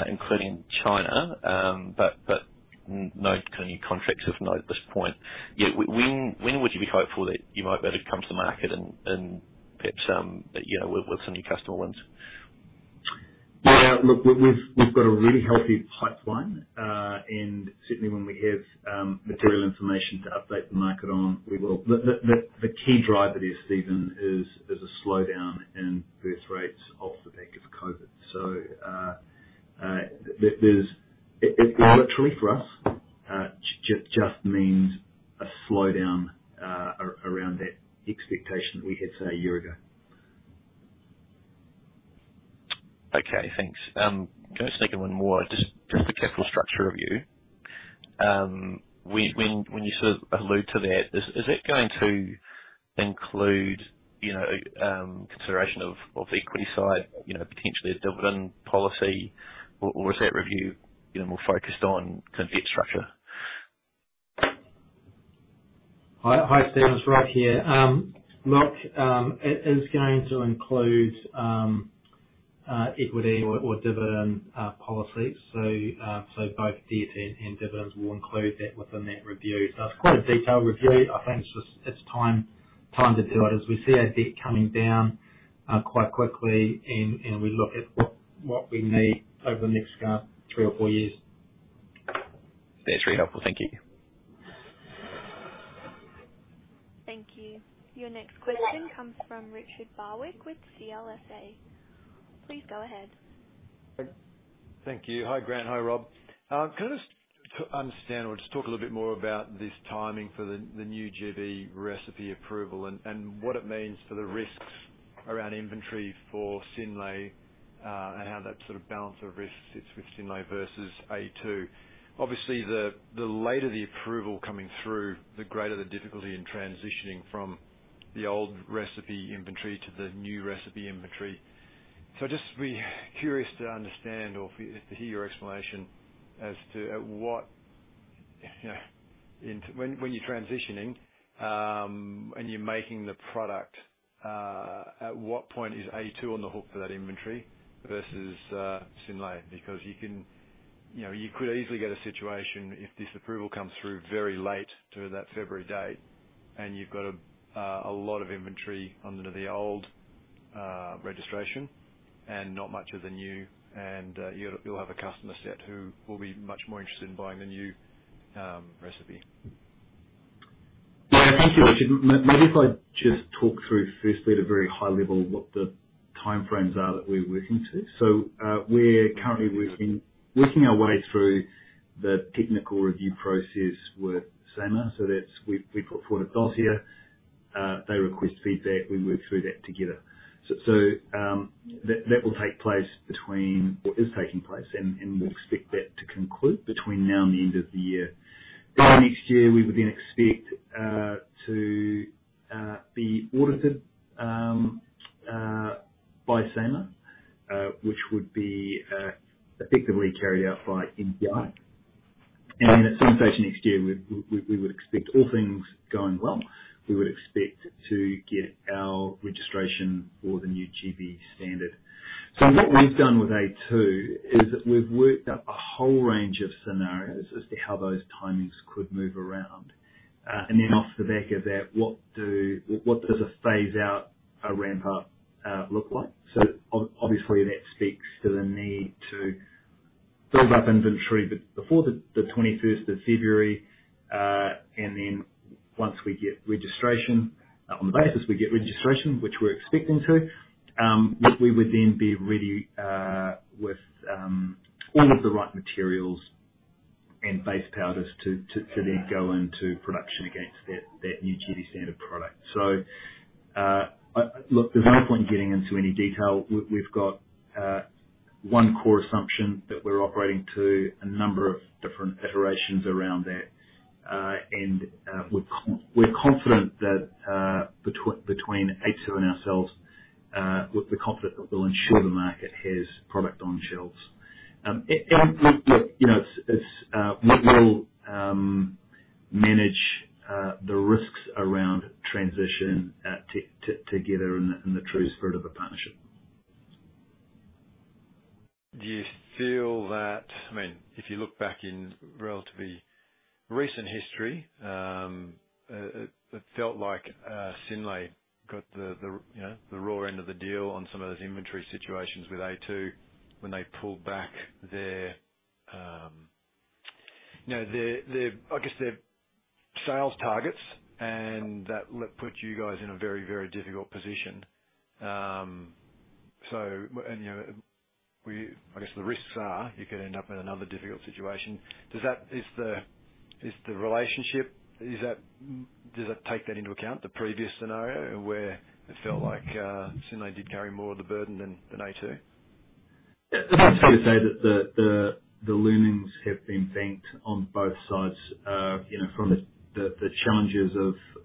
including China, but no kind of new contracts as of now at this point. Yeah. When would you be hopeful that you might be able to come to the market and perhaps, you know, with some new customer wins? Yeah. Look, we've got a really healthy pipeline. Certainly when we have material information to update the market on, we will. The key driver there, Stephen, is a slowdown in birth rates off the back of COVID. It literally, for us, just means a slowdown around that expectation that we had, say, a year ago. Okay, thanks. Can I just take it one more, just around the capital structure review. When you sort of allude to that, is that going to include, you know, consideration of the equity side, you know, potentially a dividend policy? Or is that review, you know, more focused on kind of debt structure? Hi. Hi, Stephen. It's Rob Stowell here. Look, it is going to include equity or dividend policy. Both debt and dividends, we'll include that within that review. It's quite a detailed review. I think it's just time- Time to do it as we see our debt coming down quite quickly and we look at what we need over the next three or four years. That's very helpful. Thank you. Thank you. Your next question comes from Richard Barwick with CLSA. Please go ahead. Thank you. Hi, Grant. Hi, Rob. Can I just understand or just talk a little bit more about this timing for the new GB recipe approval and what it means for the risks around inventory for Synlait, and how that sort of balance of risk sits with Synlait versus a2. Obviously the later the approval coming through, the greater the difficulty in transitioning from the old recipe inventory to the new recipe inventory. I'd just be curious to understand or to hear your explanation as to at what, you know, when you're transitioning, and you're making the product, at what point is a2 on the hook for that inventory versus Synlait? Because you can, you know, you could easily get a situation if this approval comes through very late to that February date, and you've got a lot of inventory under the old registration and not much of the new and you'll have a customer set who will be much more interested in buying the new recipe. Yeah. Thank you, Richard. Maybe if I just talk through firstly at a very high level what the timeframes are that we're working to. We're currently working our way through the technical review process with SAMR. We've put forward a dossier. They request feedback, we work through that together. That will take place between, or is taking place and we'll expect that to conclude between now and the end of the year. Next year we would expect to be audited by SAMR, which would be effectively carried out by CNCA. At some stage next year, we would expect, all things going well, to get our registration for the new GB standard. What we've done with a2 is we've worked up a whole range of scenarios as to how those timings could move around. Off the back of that, what does a phase out a ramp up look like? Obviously that speaks to the need to build up inventory before the twenty-first of February. Once we get registration, on the basis we get registration, which we're expecting to, we would then be ready with all of the right materials and base powders to then go into production against that new GB standard product. Look, there's no point in getting into any detail. We've got one core assumption that we're operating to, a number of different iterations around that. We're confident that between a2 and ourselves we'll ensure the market has product on shelves. Look, you know, we will manage the risks around transition together in the true spirit of a partnership. Do you feel that? I mean, if you look back in relatively recent history, it felt like Synlait got, you know, the raw end of the deal on some of those inventory situations with a2 when they pulled back their sales targets, I guess, and that left you guys in a very, very difficult position. I guess the risks are you could end up in another difficult situation. Does the relationship take that into account, the previous scenario where it felt like Synlait did carry more of the burden than a2? Yeah. It's fair to say that the learnings have been banked on both sides, you know, from the challenges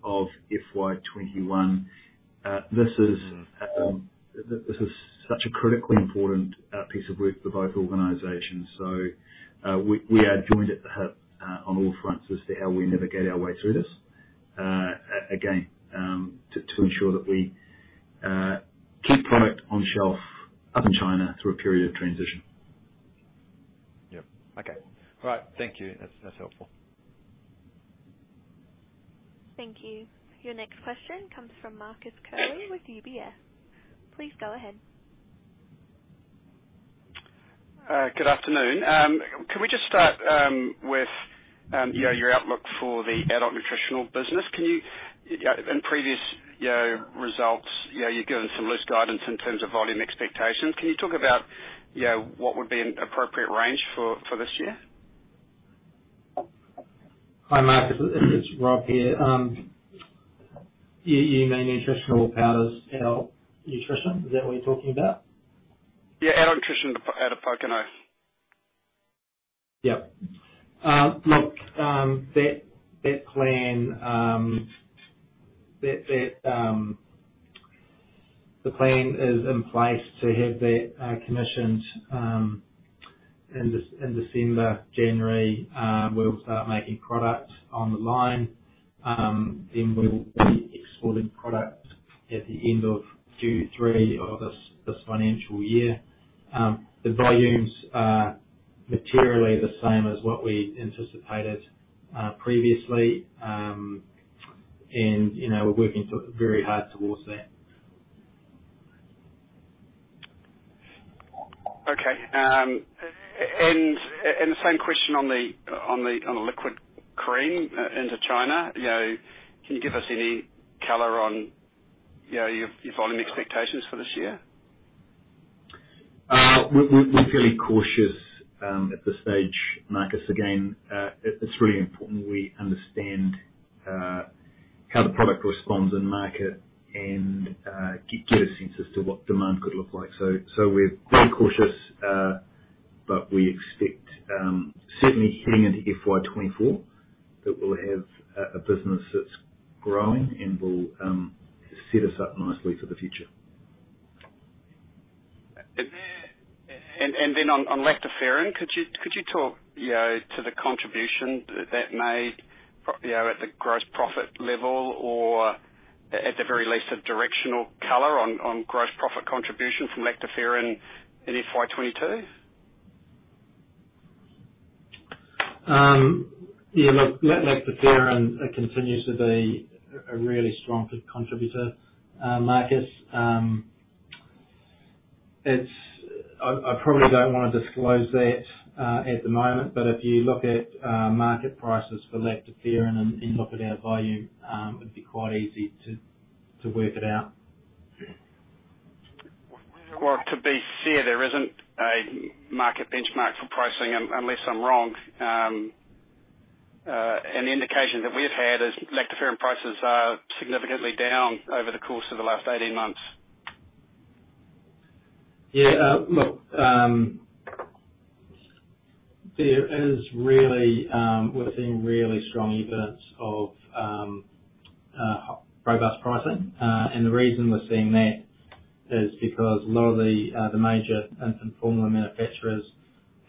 of FY 2021. This is such a critically important piece of work for both organizations. We are joined at the hip on all fronts as to how we navigate our way through this to ensure that we keep product on shelf up in China through a period of transition. Yeah. Okay. All right. Thank you. That's helpful. Thank you. Your next question comes from Marcus Curley with UBS. Please go ahead. Good afternoon. Could we just start with you know, your outlook for the adult nutritional business? Can you in previous you know, results, you know, you're giving some loose guidance in terms of volume expectations. Can you talk about you know, what would be an appropriate range for this year? Hi, Marcus, it's Rob here. You mean nutritional powders, adult nutrition, is that what you're talking about? Yeah, adult nutrition at Pōkeno. Look, that plan is in place to have that commissioned in December, January. We'll start making product on the line. We'll be exporting product at the end of Q3 of this financial year. The volumes are Materially the same as what we anticipated, previously. You know, we're working so very hard towards that. Okay. The same question on the liquid cream into China. You know, can you give us any color on, you know, your volume expectations for this year? We're fairly cautious at this stage, Marcus, again. It's really important we understand how the product responds in market and get a sense as to what demand could look like. We're being cautious, but we expect certainly heading into FY 2024 that we'll have a business that's growing and will set us up nicely for the future. On lactoferrin, could you talk, you know, to the contribution at the gross profit level or at the very least a directional color on gross profit contribution from lactoferrin in FY 2022? Yeah, look, lactoferrin continues to be a really strong co-contributor, Marcus. I probably don't wanna disclose that at the moment. If you look at market prices for lactoferrin and look at our volume, it'd be quite easy to work it out. Well, to be fair, there isn't a market benchmark for pricing, unless I'm wrong. An indication that we've had is lactoferrin prices are significantly down over the course of the last 18 months. We're seeing really strong evidence of robust pricing. The reason we're seeing that is because a lot of the major infant formula manufacturers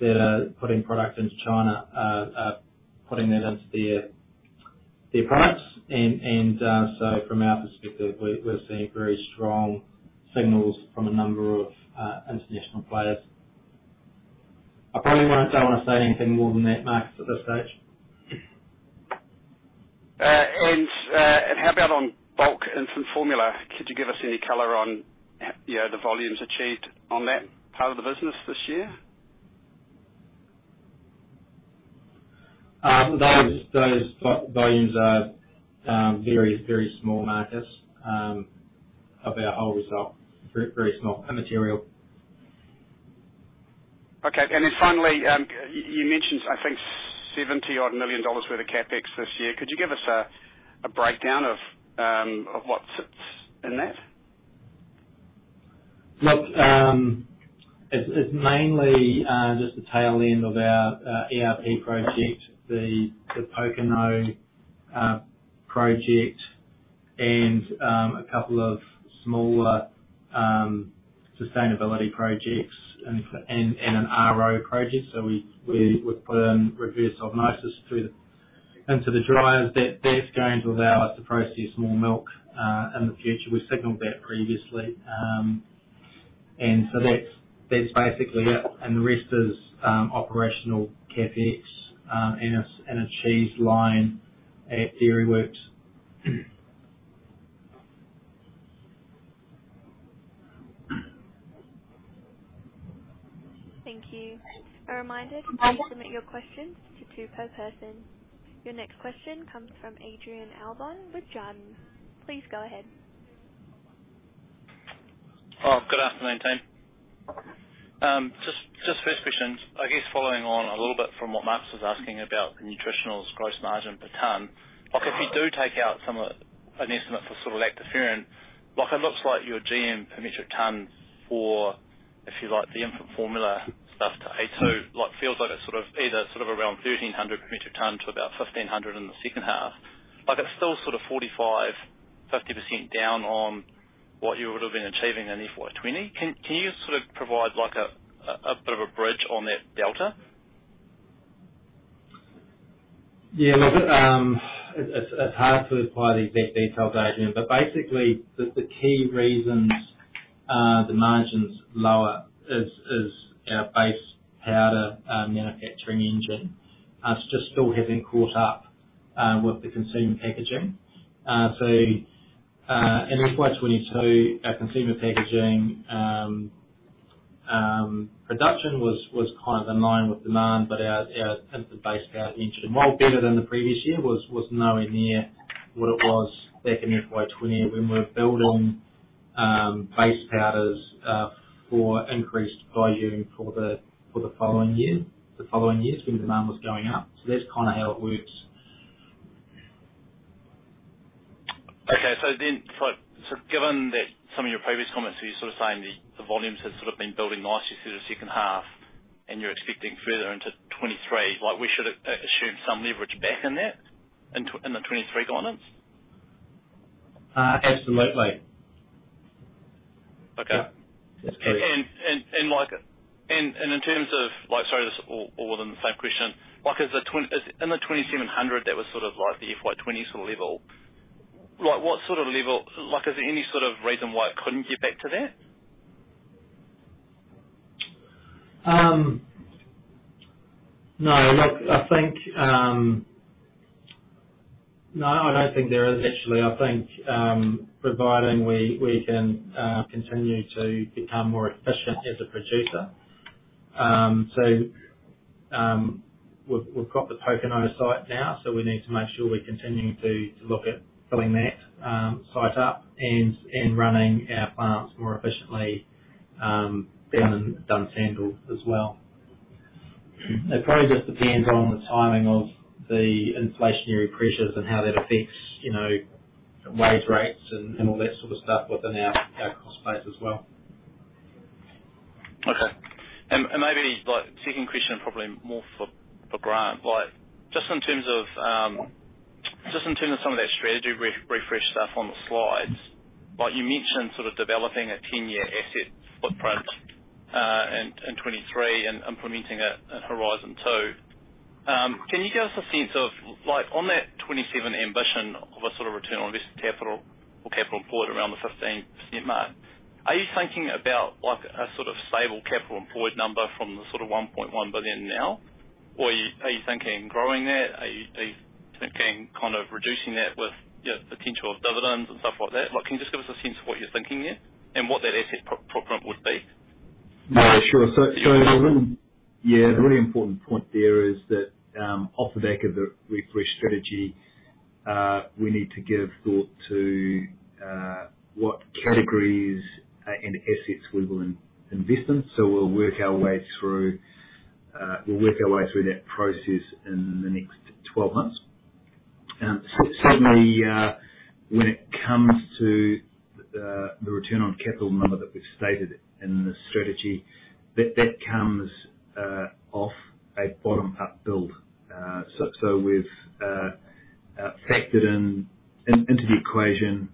that are putting product into China are putting that into their products. From our perspective, we're seeing very strong signals from a number of international players. I probably don't wanna say anything more than that, Marcus, at this stage. How about on bulk infant formula? Could you give us any color on, you know, the volumes achieved on that part of the business this year? Those volumes are very, very small, Marcus, of our whole result. Very, very small. Immaterial. Okay. Finally, you mentioned, I think, 70-odd million dollars worth of CapEx this year. Could you give us a breakdown of what sits in that? Look, it's mainly just the tail end of our ERP project, the Pōkeno project and a couple of smaller sustainability projects and an RO project. We've put in reverse osmosis into the dryers. That's going to allow us to process more milk in the future. We signaled that previously. That's basically it. The rest is operational CapEx and a cheese line at Dairyworks. Thank you. A reminder to only submit your questions to two per person. Your next question comes from Adrian Allbon with Jarden. Please go ahead. Good afternoon, team. Just first question, I guess following on a little bit from what Marcus was asking about Nutritionals gross margin per ton. Like, if you do take out some of an estimate for sort of lactoferrin, like, it looks like your GM per metric ton for, if you like, the infant formula stuff to a2, like, feels like it's sort of either sort of around 1,300 per metric ton to about 1,500 in the second half. Like, it's still sort of 45%-50% down on what you would've been achieving in FY 2020. Can you sort of provide like a bit of a bridge on that delta? Look, it's hard to apply the exact details, Adrian. Basically the key reasons the margin's lower is our base powder manufacturing engine still having caught up with the consumer packaging. In FY 2022, our consumer packaging production was kind of in line with demand, but our infant base powder engine, while better than the previous year, was nowhere near what it was back in FY 2020 when we're building base powders for increased volume for the following year, the following years when demand was going up. That's kinda how it works. Given that some of your previous comments, you're sort of saying the volumes have sort of been building nicely through the second half and you're expecting further into 2023, like, we should assume some leverage back in that, in the 2023 guidance? Absolutely. Okay. Yeah. That's correct. In terms of, like, sorry, this is all within the same question. Like, is in the 2,700, that was sort of like the FY 2020 sort of level. Like what sort of level. Like is there any sort of reason why it couldn't get back to that? No. I don't think there is actually. I think, providing we can continue to become more efficient as a producer. We've got the Pōkeno site now, so we need to make sure we're continuing to look at filling that site up and running our plants more efficiently down in Dunsandel as well. It probably just depends on the timing of the inflationary pressures and how that affects, you know, wage rates and all that sort of stuff within our cost base as well. Okay. Maybe like second question, probably more for Grant. Like, just in terms of some of that strategy refresh stuff on the slides, like you mentioned, sort of developing a ten-year asset footprint in 2023 and implementing a horizon two. Can you give us a sense of like on that 2027 ambition of a sort of return on invested capital or capital employed around the 15% mark, are you thinking about like a sort of stable capital employed number from the sort of 1.1 billion now? Or are you thinking growing that? Are you thinking kind of reducing that with, you know, potential of dividends and stuff like that? Like, can you just give us a sense of what you're thinking there and what that asset program would be? Yeah, sure. The really important point there is that, off the back of the refresh strategy, we need to give thought to what categories and assets we will invest in. We'll work our way through that process in the next 12 months. Certainly, when it comes to the return on capital number that we've stated in the strategy, that comes off a bottom up build. We've factored in into the equation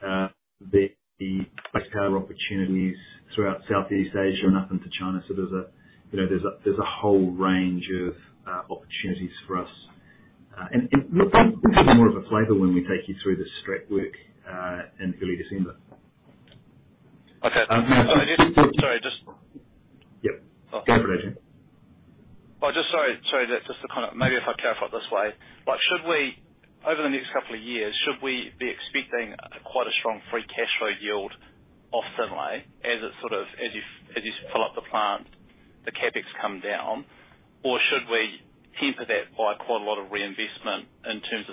the West Coast opportunities throughout Southeast Asia and up into China. You know, there's a whole range of opportunities for us. And you'll get more of a flavor when we take you through the strategy work in early December. Okay. No. Sorry, just. Yep. Go for it, Adrian. Oh, just sorry. That's just to kinda. Maybe if I clarify it this way. Like should we, over the next couple of years, should we be expecting quite a strong free cash flow yield off Synlait as it sort of, as you fill up the plant, the CapEx come down? Or should we temper that by quite a lot of reinvestment in terms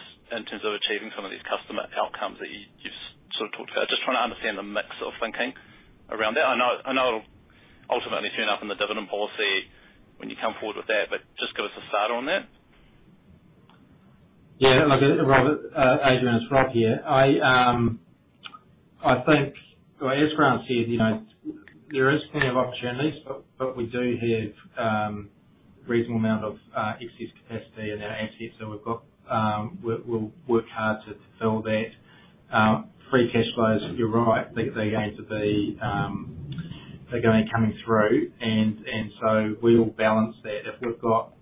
of achieving some of these customer outcomes that you've sort of talked about? Just trying to understand the mix of thinking around that. I know it'll ultimately turn up in the dividend policy when you come forward with that, but just give us a start on that. Yeah. Look, Rob, Adrian, it's Rob here. I think as Grant said, you know, there is plenty of opportunities, but we do have, Reasonable amount of excess capacity in our assets that we've got. We'll work hard to fill that. Free cash flows, you're right. They're going to be coming through. We'll balance that. If we've got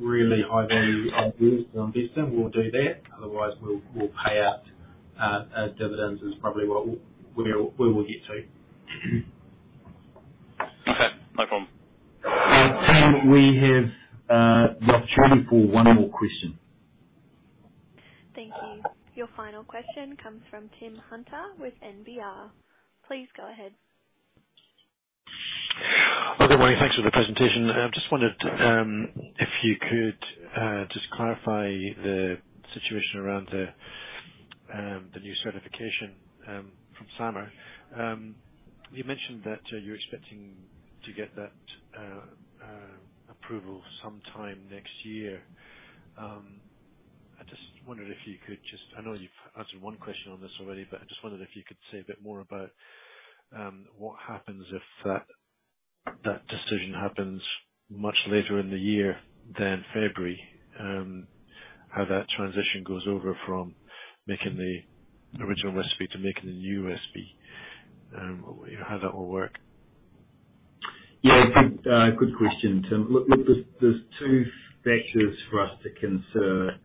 really high value ideas to invest in, we'll do that. Otherwise, we'll pay out dividends is probably where we will get to. Okay, no problem. Tim, we have got time for one more question. Thank you. Your final question comes from Tim Hunter with NBR. Please go ahead. Well, good morning. Thanks for the presentation. I just wondered if you could just clarify the situation around the new certification from SAMR. You mentioned that you're expecting to get that approval sometime next year. I just wondered if you could. I know you've answered one question on this already, but I just wondered if you could say a bit more about what happens if that decision happens much later in the year than February, how that transition goes over from making the original recipe to making the new recipe, you know, how that will work. Yeah. Good question, Tim. Look, there's two factors for us to consider.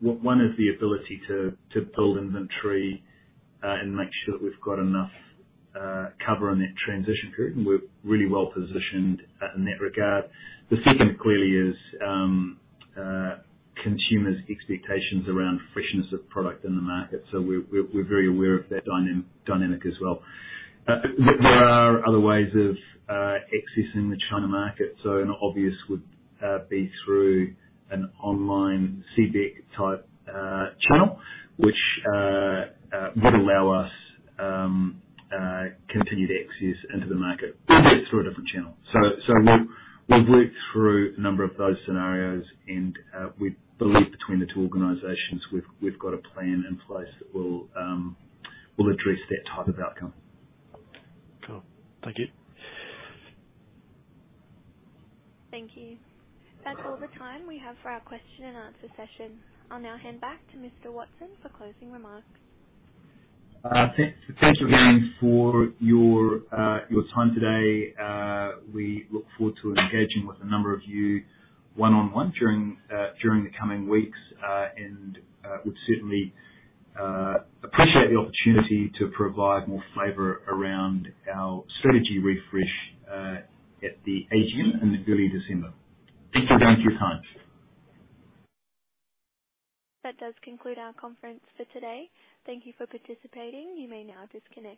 One is the ability to build inventory and make sure that we've got enough cover on that transition period, and we're really well positioned in that regard. The second clearly is consumers' expectations around freshness of product in the market. We're very aware of that dynamic as well. There are other ways of accessing the China market, so an obvious would be through an online CBEC type channel, which would allow us continued access into the market but through a different channel. We've looked through a number of those scenarios and we believe between the two organizations, we've got a plan in place that will address that type of outcome. Cool. Thank you. Thank you. That's all the time we have for our question and answer session. I'll now hand back to Mr. Watson for closing remarks. Thanks, everyone, for your time today. We look forward to engaging with a number of you one-on-one during the coming weeks. Would certainly appreciate the opportunity to provide more flavor around our strategy refresh at the AGM in early December. Thank you again for your time. That does conclude our conference for today. Thank you for participating. You may now disconnect.